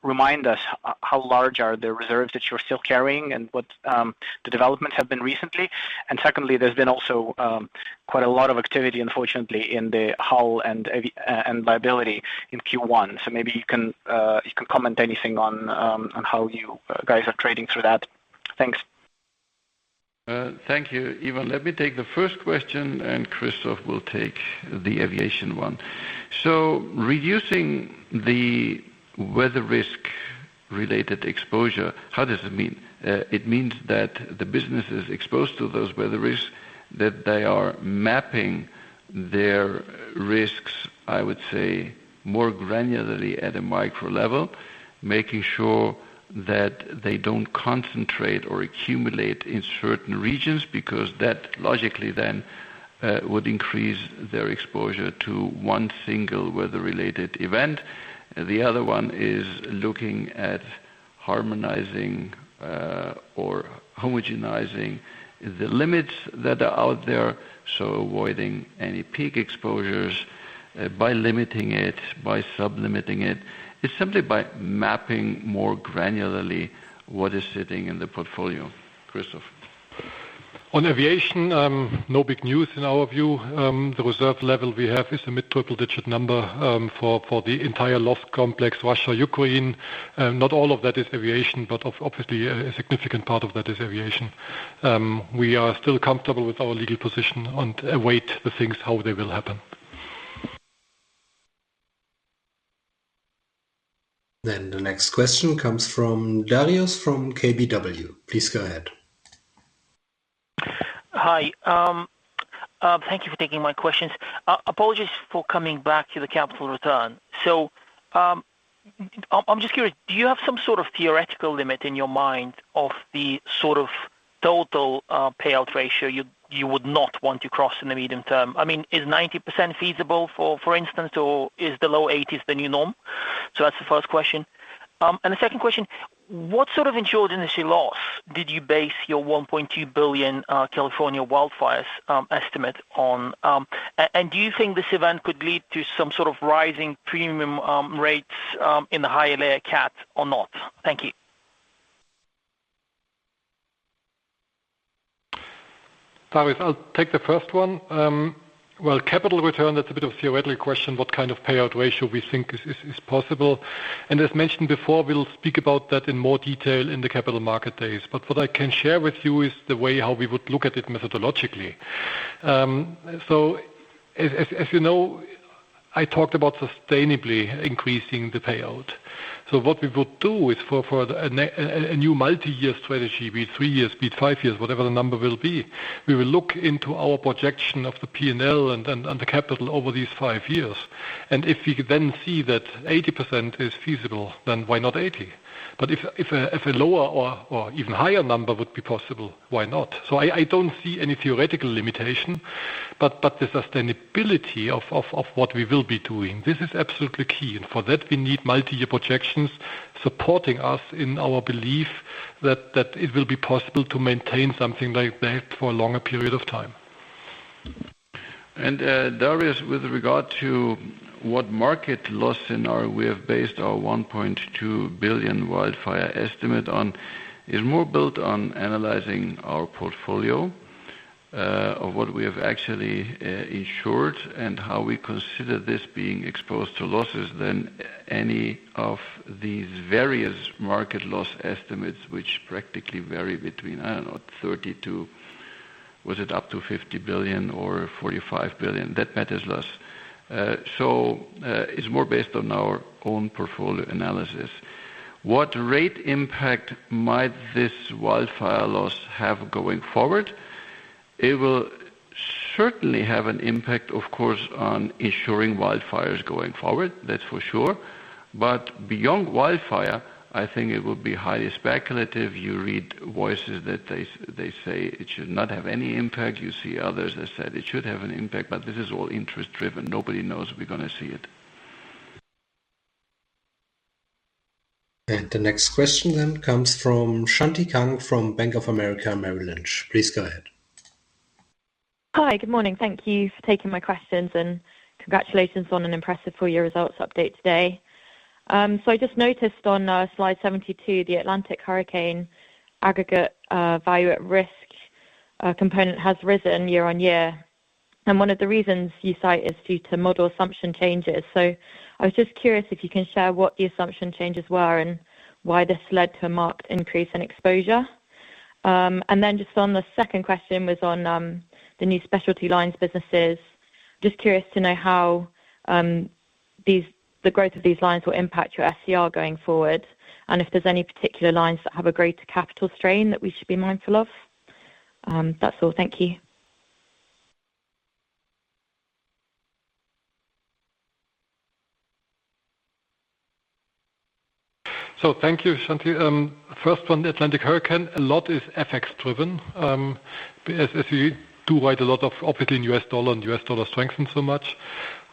remind us how large are the reserves that you're still carrying and what the developments have been recently. And secondly, there's been also quite a lot of activity, unfortunately, in the hull and liability in Q1. So maybe you can comment anything on how you guys are trading through that. Thanks. Thank you, Ivan. Let me take the first question, and Christoph will take the aviation one. So, reducing the weather risk-related exposure, how does it mean? It means that the business is exposed to those weather risks, that they are mapping their risks, I would say, more granularly at a micro level, making sure that they don't concentrate or accumulate in certain regions because that logically then would increase their exposure to one single weather-related event. The other one is looking at harmonizing or homogenizing the limits that are out there, so avoiding any peak exposures by limiting it, by sub-limiting it. It's simply by mapping more granularly what is sitting in the portfolio. Christoph. On aviation, no big news in our view. The reserve level we have is a mid-triple-digit number for the entire loss complex, Russia-Ukraine. Not all of that is aviation, but obviously, a significant part of that is aviation. We are still comfortable with our legal position and await the things how they will happen. And the next question comes from Darius from KBW. Please go ahead. Hi. Thank you for taking my questions. Apologies for coming back to the capital return. So I'm just curious, do you have some sort of theoretical limit in your mind of the sort of total payout ratio you would not want to cross in the medium term? I mean, is 90% feasible, for instance, or is the low 80s the new norm? So that's the first question. The second question, what sort of insured industry loss did you base your $1.2 billion California wildfires estimate on? And do you think this event could lead to some sort of rising premium rates in the higher layer CAT or not? Thank you. Darius, I'll take the first one. Capital return, that's a bit of a theoretical question. What kind of payout ratio we think is possible? As mentioned before, we'll speak about that in more detail in the Capital Markets Day. But what I can share with you is the way how we world look at it methodologically. So as you know, I talked about sustainably increasing the payout. What we would do is for a new multi-year strategy, be it three years, be it five years, whatever the number will be, we will look into our projection of the P&L and the capital over these five years. If we can then see that 80% is feasible, then why not 80? If a lower or even higher number would be possible, why not? I don't see any theoretical limitation, but the sustainability of what we will be doing, this is absolutely key. For that, we need multi-year projections supporting us in our belief that it will be possible to maintain something like that for a longer period of time. Darius, with regard to what market loss we have based our $1.2 billion wildfire estimate on, is more built on analyzing our portfolio of what we have actually insured and how we consider this being exposed to losses than any of these various market loss estimates, which practically vary between, I don't know, $30 billion to $50 billion or $45 billion. That matters less. It's more based on our own portfolio analysis. What rate impact might this wildfire loss have going forward? It will certainly have an impact, of course, on insuring wildfires going forward, that's for sure. But beyond wildfire, I think it would be highly speculative. You read voices that they say it should not have any impact. You see others that said it should have an impact, but this is all interest-driven. Nobody knows what we're going to see. The next question then comes from Shuqi Kang from Bank of America Merrill Lynch. Please go ahead. Hi, good morning. Thank you for taking my questions and congratulations on an impressive four-year results update today. I just noticed on slide 72, the Atlantic Hurricane aggregate Value at Risk component has risen year on year. One of the reasons you cite is due to model assumption changes. I was just curious if you can share what the assumption changes were and why this led to a marked increase in exposure. Then just on the second question was on the new specialty lines businesses. Just curious to know how the growth of these lines will impact your SER going forward and if there's any particular lines that have a greater capital strain that we should be mindful of. That's all. Thank you. Thank you, Shanti. First one, the Atlantic Hurricane. A lot is FX-driven. As you do write a lot of, obviously, in U.S. dollar and U.S. dollar strengthened so much.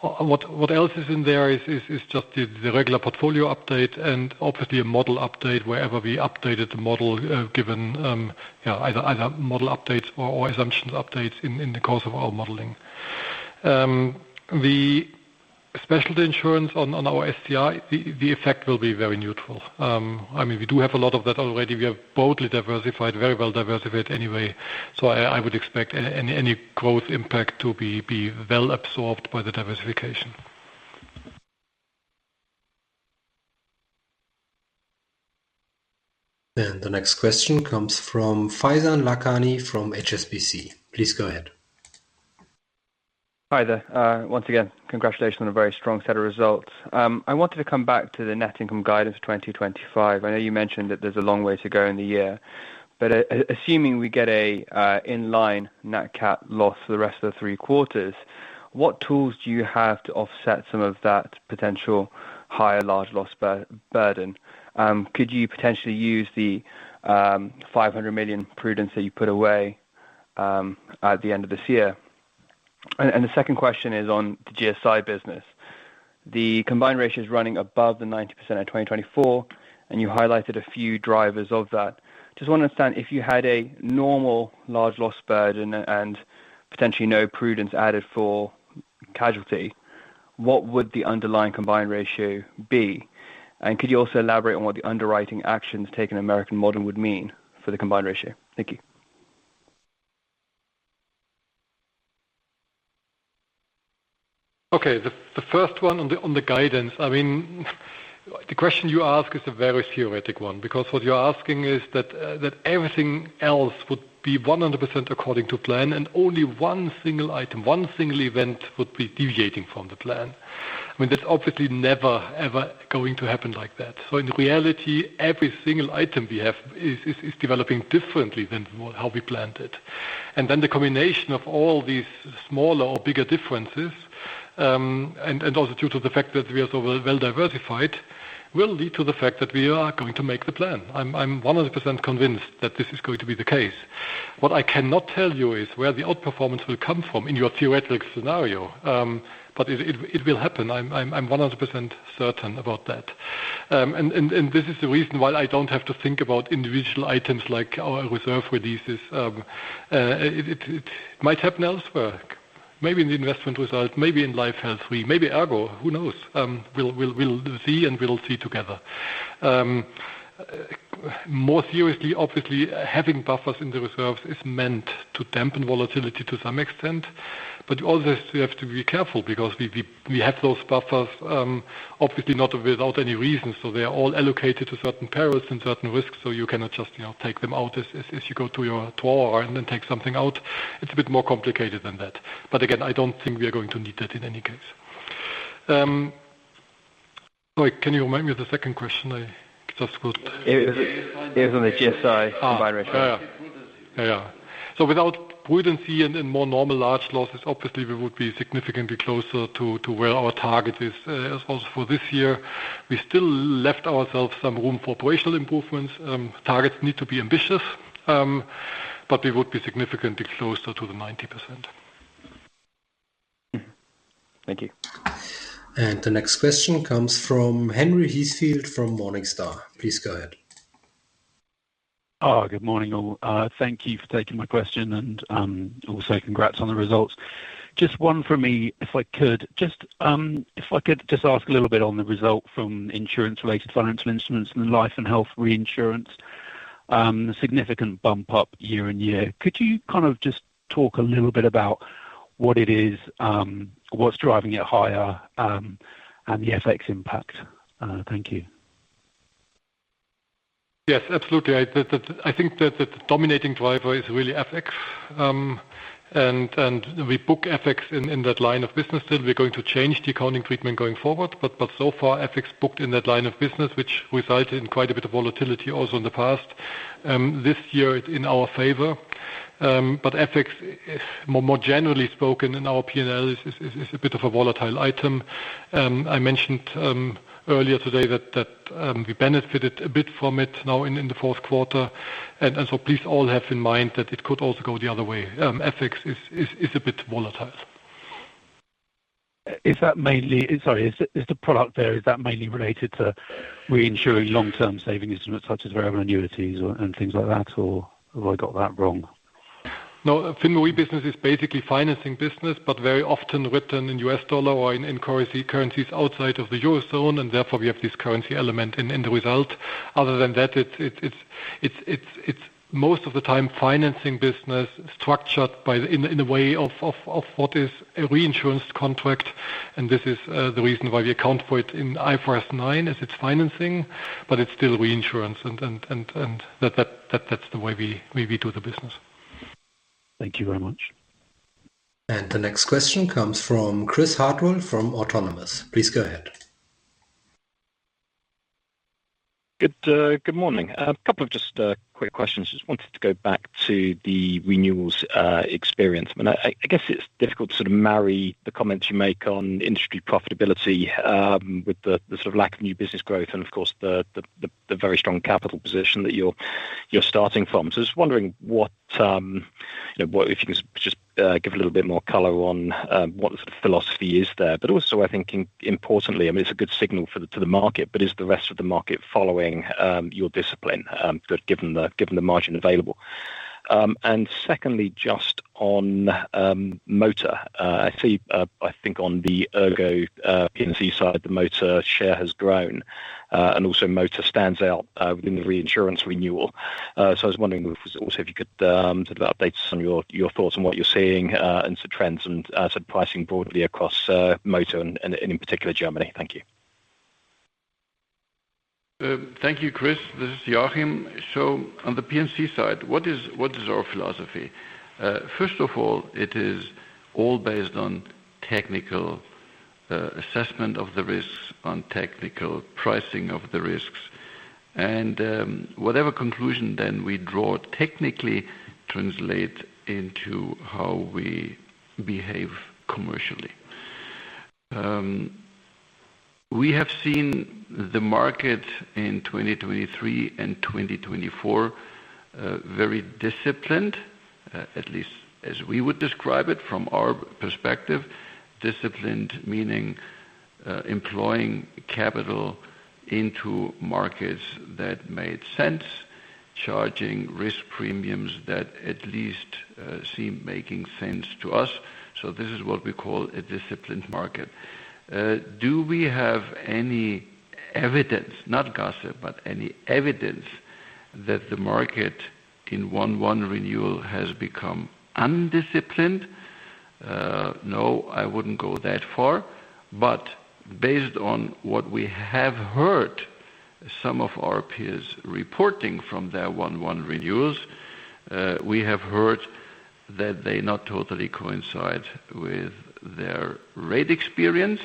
What else is in there is just the regular portfolio update and obviously a model update wherever we updated the model given either model updates or assumptions updates in the course of our modeling. The specialty insurance on our SER, the effect will be very neutral. I mean, we do have a lot of that already. We are broadly diversified, very well diversified anyway. So I would expect any growth impact to be well absorbed by the diversification. The next question comes from Faizan Lakhani from HSBC. Please go ahead. Hi there. Once again, congratulations on a very strong set of results. I wanted to come back to the net income guidance for 2025. I know you mentioned that there's a long way to go in the year. But assuming we get an in-line net CAT loss for the rest of the three quarters, what tools do you have to offset some of that potential higher large loss burden? Could you potentially use the 500 million prudence that you put away at the end of this year? And the second question is on the GSI business. The combined ratio is running above 90% in 2024, and you highlighted a few drivers of that. Just want to understand if you had a normal large loss burden and potentially no prudence added for casualty, what would the underlying combined ratio be? And could you also elaborate on what the underwriting actions taken in American Modern would mean for the combined ratio? Thank you. Okay. The first one on the guidance, I mean, the question you ask is a very theoretical one because what you're asking is that everything else would be 100% according to plan, and only one single item, one single event would be deviating from the plan. I mean, that's obviously never, ever going to happen like that. So in reality, every single item we have is developing differently than how we planned it. And then the combination of all these smaller or bigger differences, and also due to the fact that we are so well diversified, will lead to the fact that we are going to make the plan. I'm 100% convinced that this is going to be the case. What I cannot tell you is where the outperformance will come from in your theoretical scenario, but it will happen. I'm 100% certain about that. This is the reason why I don't have to think about individual items like our reserve releases. It might happen elsewhere. Maybe in the investment result, maybe in Life Health, maybe Ergo, who knows? We'll see and we'll see together. More seriously, obviously, having buffers in the reserves is meant to dampen volatility to some extent. You also have to be careful because we have those buffers, obviously not without any reason. They are all allocated to certain perils and certain risks. You cannot just take them out as you go to your toilet and then take something out. It's a bit more complicated than that. Again, I don't think we are going to need that in any case. Sorry, can you remind me of the second question? I just could. It was on the GSI combined ratio. Yeah, yeah. So without prudence and more normal large losses, obviously, we would be significantly closer to where our target is for this year. We still left ourselves some room for operational improvements. Targets need to be ambitious, but we would be significantly closer to the 90%. Thank you. And the next question comes from Henry Heathfield from Morningstar. Please go ahead. Good morning. Thank you for taking my question and also congrats on the results. Just one for me, if I could just ask a little bit on the result from insurance-related financial instruments and life and health reinsurance, significant bump up year in year. Could you kind of just talk a little bit about what it is, what's driving it higher, and the FX impact? Thank you. Yes, absolutely. I think that the dominating driver is really FX. And we book FX in that line of business still. We're going to change the accounting treatment going forward, but so far, FX booked in that line of business, which resulted in quite a bit of volatility also in the past. This year, in our favor, but FX, more generally spoken in our P&L, is a bit of a volatile item. I mentioned earlier today that we benefited a bit from it now in the fourth quarter, and so please all have in mind that it could also go the other way. FX is a bit volatile. Is that mainly, sorry, is the product there, is that mainly related to reinsuring long-term savings such as variable annuities and things like that, or have I got that wrong? No, FinRe business is basically financing business, but very often written in US dollar or in currencies outside of the Eurozone. And therefore, we have this currency element in the result. Other than that, it's most of the time financing business structured in a way of what is a reinsurance contract, and this is the reason why we account for it in IFRS 9 as it's financing, but it's still reinsurance, and that's the way we do the business. Thank you very much. And the next question comes from Chris Hartwell from Autonomous. Please go ahead. Good morning. A couple of just quick questions. Just wanted to go back to the renewals experience. I mean, I guess it's difficult to sort of marry the comments you make on industry profitability with the sort of lack of new business growth and, of course, the very strong capital position that you're starting from, so I was wondering if you can just give a little bit more color on what the sort of philosophy is there. But also, I think importantly, I mean, it's a good signal to the market, but is the rest of the market following your discipline given the margin available? And secondly, just on motor, I think on the Ergo P&C side, the motor share has grown. And also motor stands out within the reinsurance renewal. So I was wondering also if you could sort of update us on your thoughts on what you're seeing and some trends and sort of pricing broadly across motor and in particular Germany. Thank you. Thank you, Chris. This is Joachim. So on the P&C side, what is our philosophy? First of all, it is all based on technical assessment of the risks, on technical pricing of the risks. And whatever conclusion then we draw technically translates into how we behave commercially. We have seen the market in 2023 and 2024 very disciplined, at least as we would describe it from our perspective. Disciplined meaning employing capital into markets that made sense, charging risk premiums that at least seem making sense to us. So this is what we call a disciplined market. Do we have any evidence, not gossip, but any evidence that the market in 1-1 renewal has become undisciplined? No, I wouldn't go that far. But based on what we have heard, some of our peers reporting from their 1-1 renewals, we have heard that they not totally coincide with their rate experience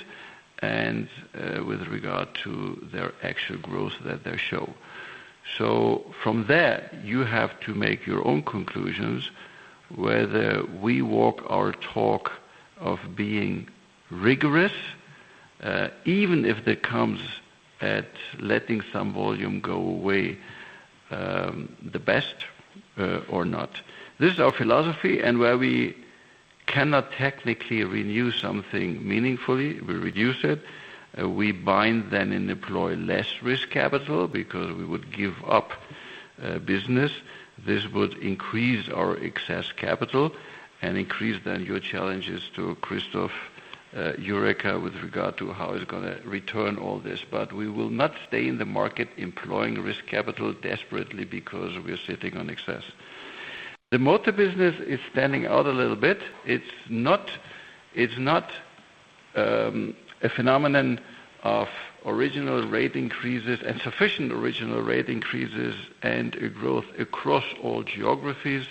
and with regard to their actual growth that they show. So from there, you have to make your own conclusions whether we walk our talk of being rigorous, even if that comes at letting some volume go away the best or not. This is our philosophy. And where we cannot technically renew something meaningfully, we reduce it. We bind then and employ less risk capital because we would give up business. This would increase our excess capital and increase then your challenges to Christoph Jurecka with regard to how it's going to return all this. But we will not stay in the market employing risk capital desperately because we're sitting on excess. The motor business is standing out a little bit. It's not a phenomenon of original rate increases and sufficient original rate increases and growth across all geographies.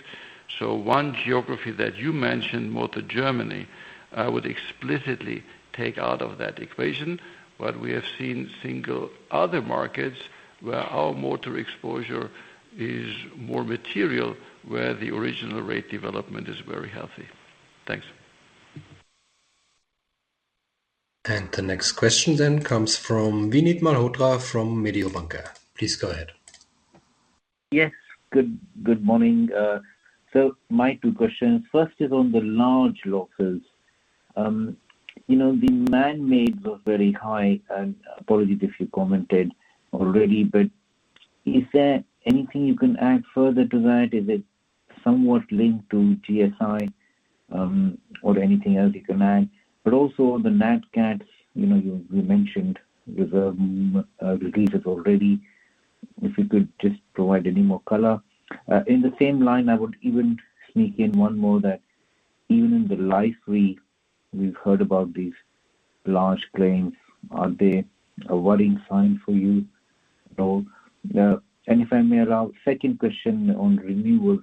So one geography that you mentioned, motor Germany, I would explicitly take out of that equation. But we have seen single other markets where our motor exposure is more material, where the original rate development is very healthy. Thanks. And the next question then comes from Vinit Malhotra from Mediobanca. Please go ahead. Yes. Good morning. So my two questions. First is on the large losses. You know, the man-made was very high. And apologies if you commented already, but is there anything you can add further to that? Is it somewhat linked to GSI or anything else you can add? But also the net CATs, you mentioned reserve releases already. If you could just provide any more color. In the same line, I would even sneak in one more that even in the life we've heard about these large claims, are they a worrying sign for you? And if I may allow, second question on renewals,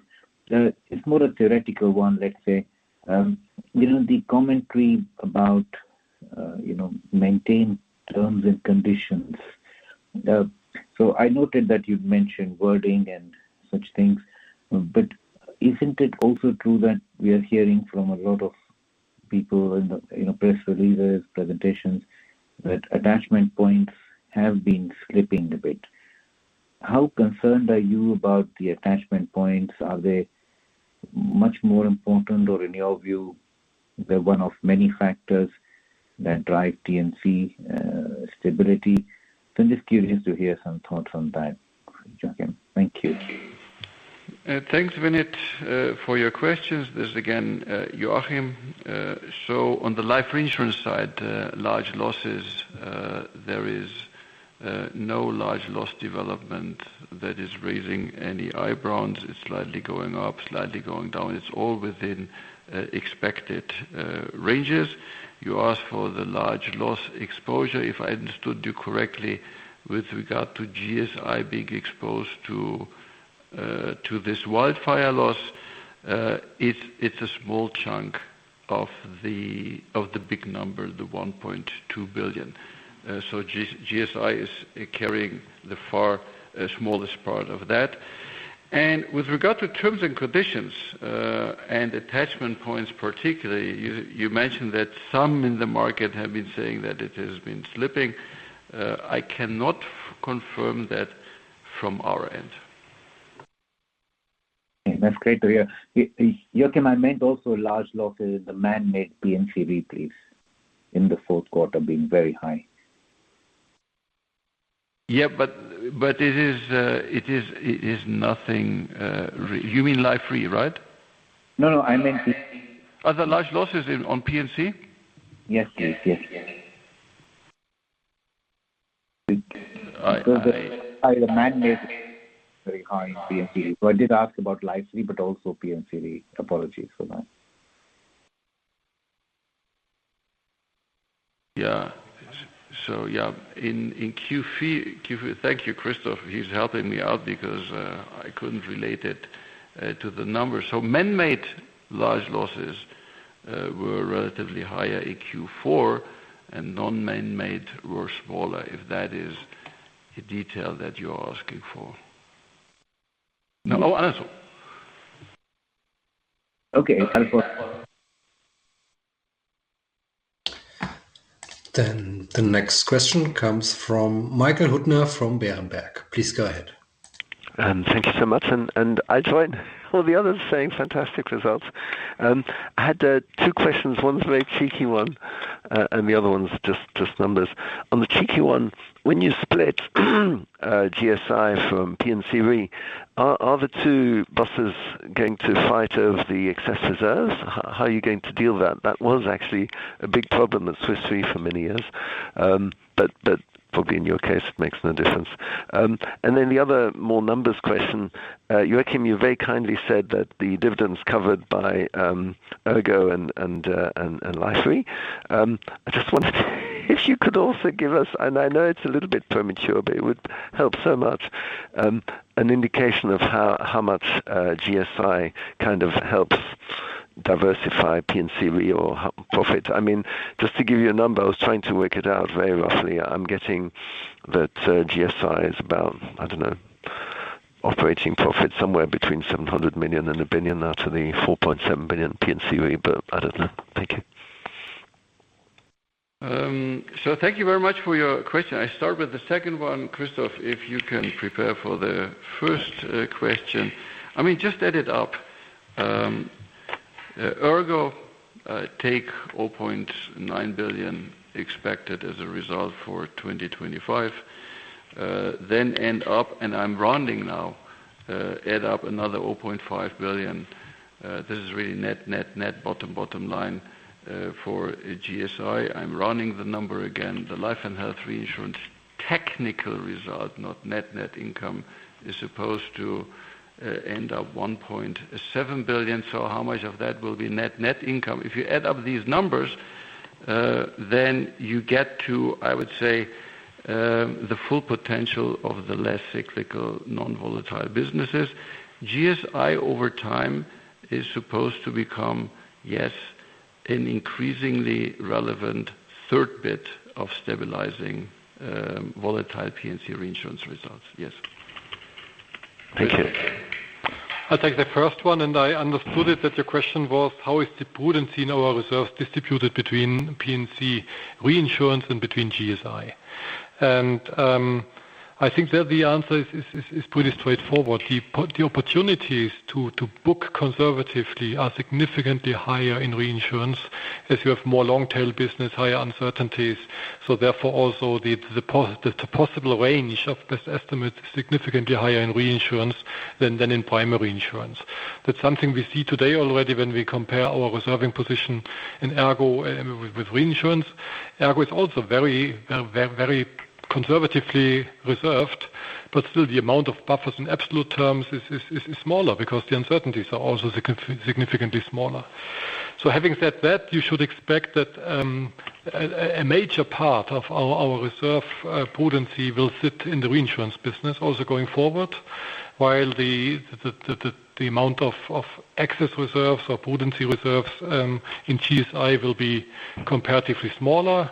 it's more a theoretical one, let's say. The commentary about maintain terms and conditions. So I noted that you'd mentioned wording and such things. But isn't it also true that we are hearing from a lot of people in press releases, presentations that attachment points have been slipping a bit? How concerned are you about the attachment points? Are they much more important or in your view, they're one of many factors that drive T&C stability? So I'm just curious to hear some thoughts on that, Joachim. Thank you. Thanks, Vinit, for your questions. This is again Joachim. So on the life reinsurance side, large losses, there is no large loss development that is raising any eyebrows. It's slightly going up, slightly going down. It's all within expected ranges. You asked for the large loss exposure. If I understood you correctly, with regard to GSI being exposed to this wildfire loss, it's a small chunk of the big number, the $1.2 billion. So GSI is carrying the far smallest part of that. With regard to terms and conditions and attachment points, particularly, you mentioned that some in the market have been saying that it has been slipping. I cannot confirm that from our end. That's great to hear. Joachim, I meant also large losses in the man-made P&C reins in the fourth quarter being very high. Yeah, but it is nothing. You mean Life Re, right? No, no. I meant the. Are there large losses on P&C? Yes, yes, yes, yes. I meant the man-made very high in P&C. So I did ask about Life Re, but also P&C. Apologies for that. Yeah. So yeah, in Q3, thank you, Christoph. He's helping me out because I couldn't relate it to the numbers. So man-made large losses were relatively higher in Q4, and non-man-made were smaller, if that is the detail that you're asking for. No, I understand. Okay. Then the next question comes from Michael Huttner from Berenberg. Please go ahead. Thank you so much. And I'll join all the others saying fantastic results. I had two questions. One's a very cheeky one, and the other one's just numbers. On the cheeky one, when you split GSI from P&C re, are the two bosses going to fight over the excess reserves? How are you going to deal with that? That was actually a big problem at Swiss Re for many years. But probably in your case, it makes no difference. And then the other more numbers question, Joachim, you very kindly said that the dividends covered by Ergo and Life Re. I just wondered if you could also give us, and I know it's a little bit premature, but it would help so much, an indication of how much GSI kind of helps diversify P&C re or profit. I mean, just to give you a number, I was trying to work it out very roughly. I'm getting that GSI is about, I don't know, operating profit somewhere between 700 million and 1 billion out of the 4.7 billion P&C re, but I don't know. Thank you. So thank you very much for your question. I start with the second one, Christoph, if you can prepare for the first question. I mean, just add it up. Ergo take 0.9 billion expected as a result for 2025, then end up, and I'm rounding now, add up another 0.5 billion. This is really net, net, net, bottom, bottom line for GSI. I'm rounding the number again. The life and health reinsurance technical result, not net net income, is supposed to end up 1.7 billion. So how much of that will be net net income? If you add up these numbers, then you get to, I would say, the full potential of the less cyclical non-volatile businesses. GSI over time is supposed to become, yes, an increasingly relevant third bit of stabilizing volatile P&C reinsurance results. Yes. Thank you. I'll take the first one. And I understood it that your question was, how is the prudence in our reserves distributed between P&C reinsurance and between GSI? And I think that the answer is pretty straightforward. The opportunities to book conservatively are significantly higher in reinsurance as you have more long-tail business, higher uncertainties. So therefore, also the possible range of best estimates is significantly higher in reinsurance than in primary insurance. That's something we see today already when we compare our reserving position in Ergo with reinsurance. Ergo is also very, very conservatively reserved, but still the amount of buffers in absolute terms is smaller because the uncertainties are also significantly smaller. So having said that, you should expect that a major part of our reserve prudency will sit in the reinsurance business also going forward, while the amount of excess reserves or prudency reserves in GSI will be comparatively smaller.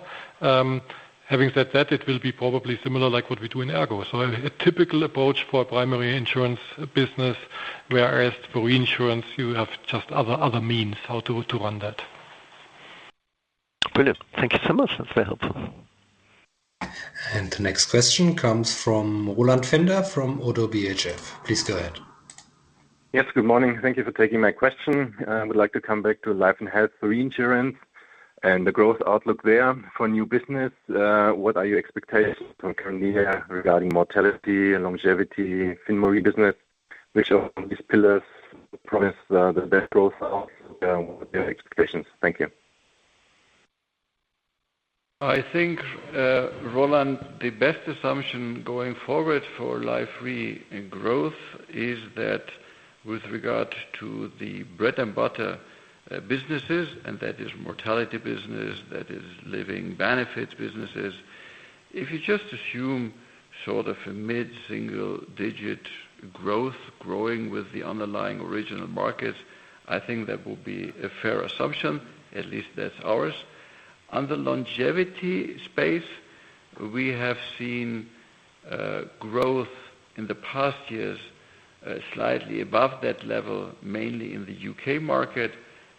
Having said that, it will be probably similar like what we do in Ergo, so a typical approach for a primary insurance business, whereas for reinsurance, you have just other means how to run that. Brilliant. Thank you so much. That's very helpful. And the next question comes from Roland Pfänder from ODDO BHF. Please go ahead. Yes, good morning. Thank you for taking my question. I would like to come back to Life and Health Reinsurance and the growth outlook there for new business. What are your expectations for regarding mortality, longevity, FinRe business? Which of these pillars promise the best growth out? What are your expectations? Thank you. I think, Roland, the best assumption going forward for life re growth is that with regard to the bread and butter businesses, and that is mortality business, that is living benefits businesses, if you just assume sort of a mid-single digit growth growing with the underlying original markets, I think that will be a fair assumption. At least that's ours. On the longevity space, we have seen growth in the past years slightly above that level, mainly in the UK market.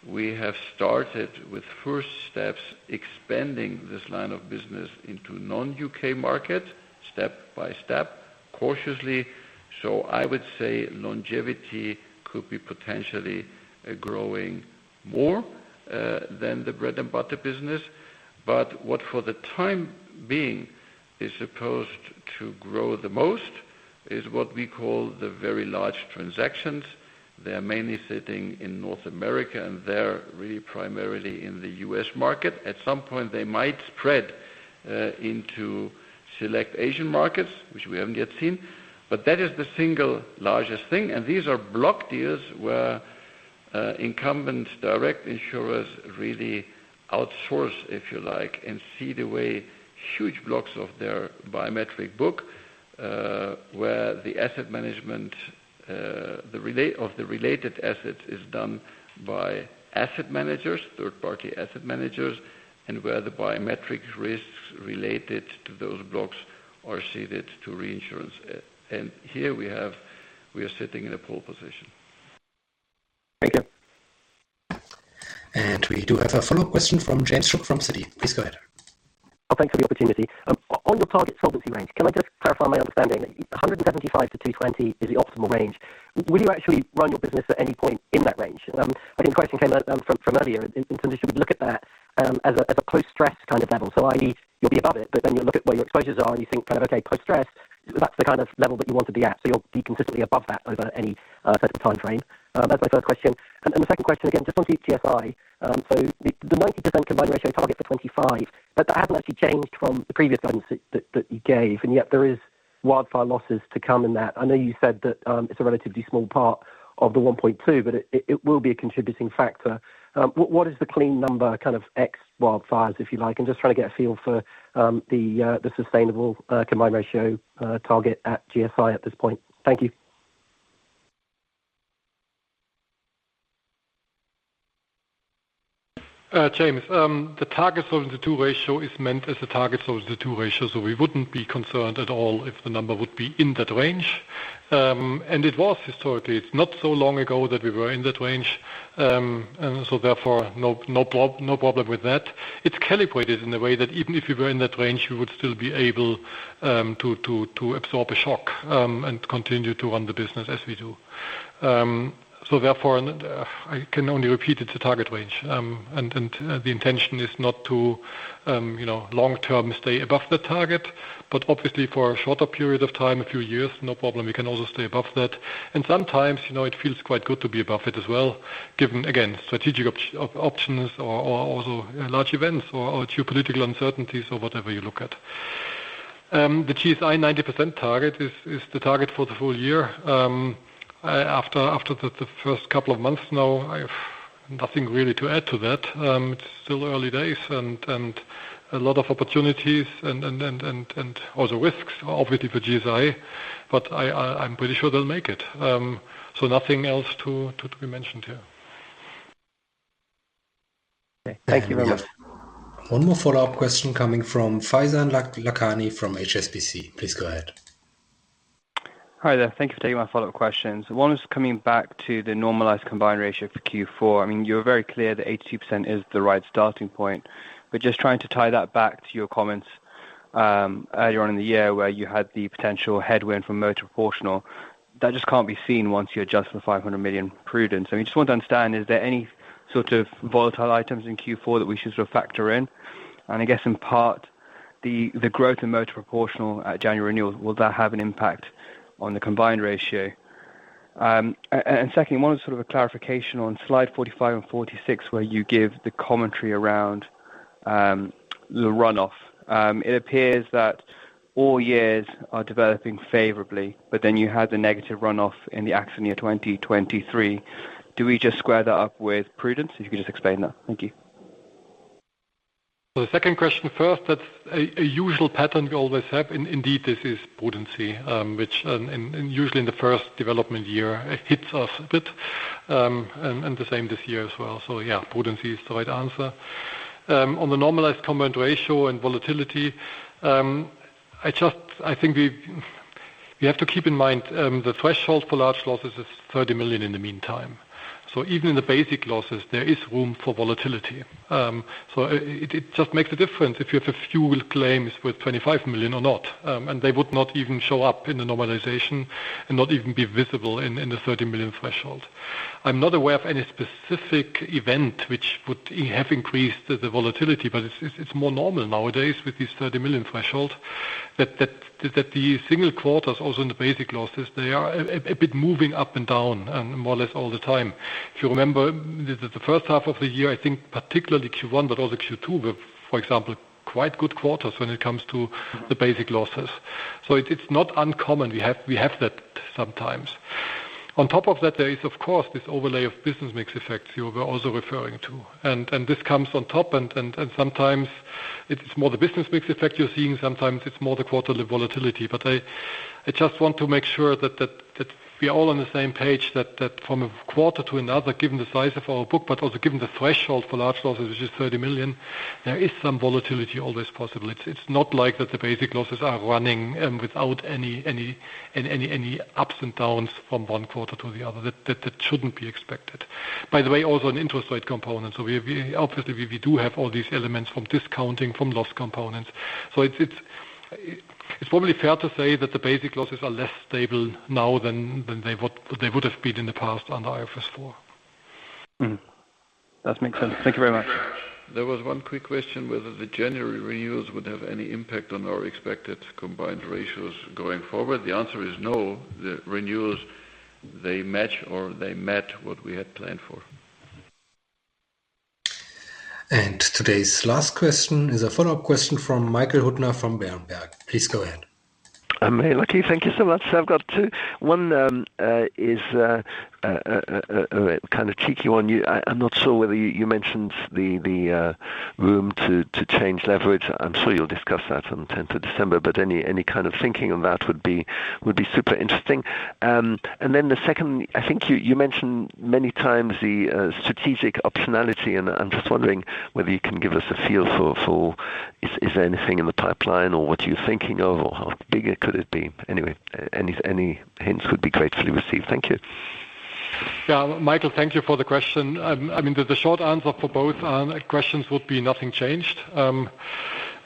We have started with first steps expanding this line of business into non-UK market step by step, cautiously, so I would say longevity could be potentially growing more than the bread and butter business. But what for the time being is supposed to grow the most is what we call the very large transactions. They're mainly sitting in North America, and they're really primarily in the U.S. market. At some point, they might spread into select Asian markets, which we haven't yet seen. But that is the single largest thing. And these are block deals where incumbent direct insurers really outsource, if you like, and cede huge blocks of their biometric book, where the asset management of the related assets is done by asset managers, third-party asset managers, and where the biometric risks related to those blocks are ceded to reinsurance. And here we are sitting in a pole position. Thank you. And we do have a follow-up question from James from Citi. Please go ahead. Thanks for the opportunity. On your target solvency range, can I just clarify my understanding? 175%-220% is the optimal range. Will you actually run your business at any point in that range? I think the question came from earlier in terms of should we look at that as a post-stress kind of level, so i.e., you'll be above it, but then you'll look at where your exposures are, and you think kind of, okay, post-stress, that's the kind of level that you want to be at, so you'll be consistently above that over any set of timeframe. That's my first question, and the second question, again, just on GSI, so the 90% combined ratio target for 2025, that hasn't actually changed from the previous guidance that you gave, and yet there is wildfire losses to come in that. I know you said that it's a relatively small part of the 1.2, but it will be a contributing factor. What is the clean number kind of ex wildfires, if you like? I'm just trying to get a feel for the sustainable combined ratio target at GSI at this point. Thank you. James, the target Solvency II ratio is meant as a target Solvency II ratio, so we wouldn't be concerned at all if the number would be in that range and it was historically. It's not so long ago that we were in that range and so therefore, no problem with that. It's calibrated in a way that even if we were in that range, we would still be able to absorb a shock and continue to run the business as we do so therefore, I can only repeat it's a target range and the intention is not to long-term stay above the target, but obviously for a shorter period of time, a few years, no problem. We can also stay above that. And sometimes it feels quite good to be above it as well, given, again, strategic options or also large events or geopolitical uncertainties or whatever you look at. The GSI 90% target is the target for the full year. After the first couple of months now, I have nothing really to add to that. It's still early days and a lot of opportunities and also risks, obviously, for GSI, but I'm pretty sure they'll make it. So nothing else to be mentioned here. Thank you very much. One more follow-up question coming from Faizan Lakhani from HSBC. Please go ahead. Hi there. Thank you for taking my follow-up questions. One is coming back to the normalized combined ratio for Q4. I mean, you were very clear that 82% is the right starting point. Just trying to tie that back to your comments earlier on in the year where you had the potential headwind from motor proportional, that just can't be seen once you adjust for the 500 million prudence. I mean, I just want to understand, is there any sort of volatile items in Q4 that we should sort of factor in? And I guess in part, the growth in motor proportional at January renewal, will that have an impact on the combined ratio? And secondly, one is sort of a clarification on slide 45 and 46, where you give the commentary around the runoff. It appears that all years are developing favorably, but then you had the negative runoff in the accident year 2023. Do we just square that up with prudence? If you could just explain that. Thank you. For the second question first, that's a usual pattern we always have. Indeed, this is prudence, which usually in the first development year hits us a bit. And the same this year as well. So yeah, prudence is the right answer. On the normalized Combined Ratio and volatility, I think we have to keep in mind the threshold for large losses is 30 million in the meantime. So even in the basic losses, there is room for volatility. So it just makes a difference if you have a few claims with 25 million or not. And they would not even show up in the normalization and not even be visible in the 30 million threshold. I'm not aware of any specific event which would have increased the volatility, but it's more normal nowadays with this 30 million threshold that the single quarters, also in the basic losses, they are a bit moving up and down and more or less all the time. If you remember, the first half of the year, I think particularly Q1, but also Q2 were, for example, quite good quarters when it comes to the basic losses. So it's not unc ommon. We have that sometimes. On top of that, there is, of course, this overlay of business mix effects you were also referring to. And this comes on top, and sometimes it's more the business mix effect you're seeing. Sometimes it's more the quarterly volatility. I just want to make sure that we are all on the same page that from a quarter to another, given the size of our book, but also given the threshold for large losses, which is 30 million, there is some volatility always possible. It's not like that the basic losses are running without any ups and downs from one quarter to the other. That shouldn't be expected. By the way, also an interest rate component. So obviously, we do have all these elements from discounting, from loss components. So it's probably fair to say that the basic losses are less stable now than they would have been in the past under IFRS 4. That makes sense. Thank you very much. There was one quick question whether the January renewals would have any impact on our expected combined ratios going forward. The answer is no. The renewals, they match or they met what we had planned for. And today's last question is a follow-up question from Michael Huttner from Berenberg. Please go ahead. I'm very lucky. Thank you so much. I've got one. Is a kind of cheeky one. I'm not sure whether you mentioned the room to change leverage. I'm sure you'll discuss that on the 10th of December, but any kind of thinking on that would be super interesting. And then the second, I think you mentioned many times the strategic optionality. And I'm just wondering whether you can give us a feel for is there anything in the pipeline or what you're thinking of or how big it could be. Anyway, any hints would be gratefully received. Thank you. Yeah, Michael, thank you for the question. I mean, the short answer for both questions would be nothing changed.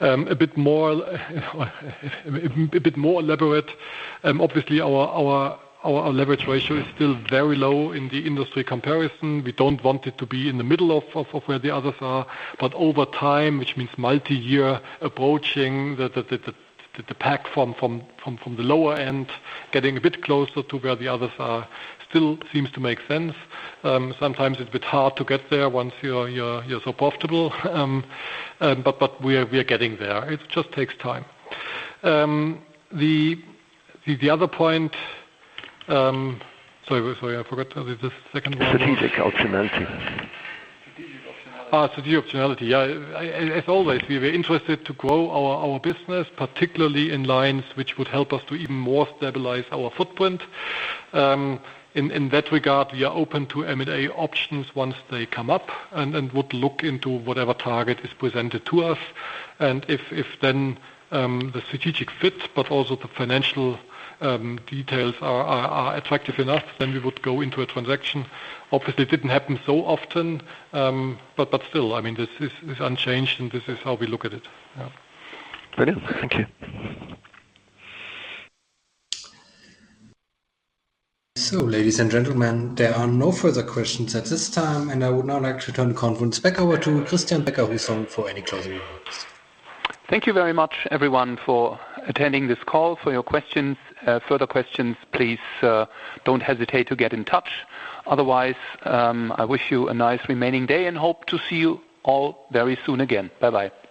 A bit more elaborate. Obviously, our leverage ratio is still very low in the industry comparison. We don't want it to be in the middle of where the others are. But over time, which means multi-year approaching, the pack from the lower end getting a bit closer to where the others are still seems to make sense. Sometimes it's a bit hard to get there once you're so profitable. But we are getting there. It just takes time. The other point, sorry, I forgot the second one. Strategic optionality. Yeah. As always, we were interested to grow our business, particularly in lines which would help us to even more stabilize our footprint. In that regard, we are open to M&A options once they come up and would look into whatever target is presented to us. And if then the strategic fit, but also the financial details are attractive enough, then we would go into a transaction. Obviously, it didn't happen so often, but still, I mean, this is unchanged and this is how we look at it. Brilliant. Thank you. So, ladies and gentlemen, there are no further questions at this time, and I would now like to turn the conference back over to Christian Becker-Huss, who's on for any closing remarks. Thank you very much, everyone, for attending this call, for your questions. Further questions, please don't hesitate to get in touch. Otherwise, I wish you a nice remaining day and hope to see you all very soon again. Bye-bye.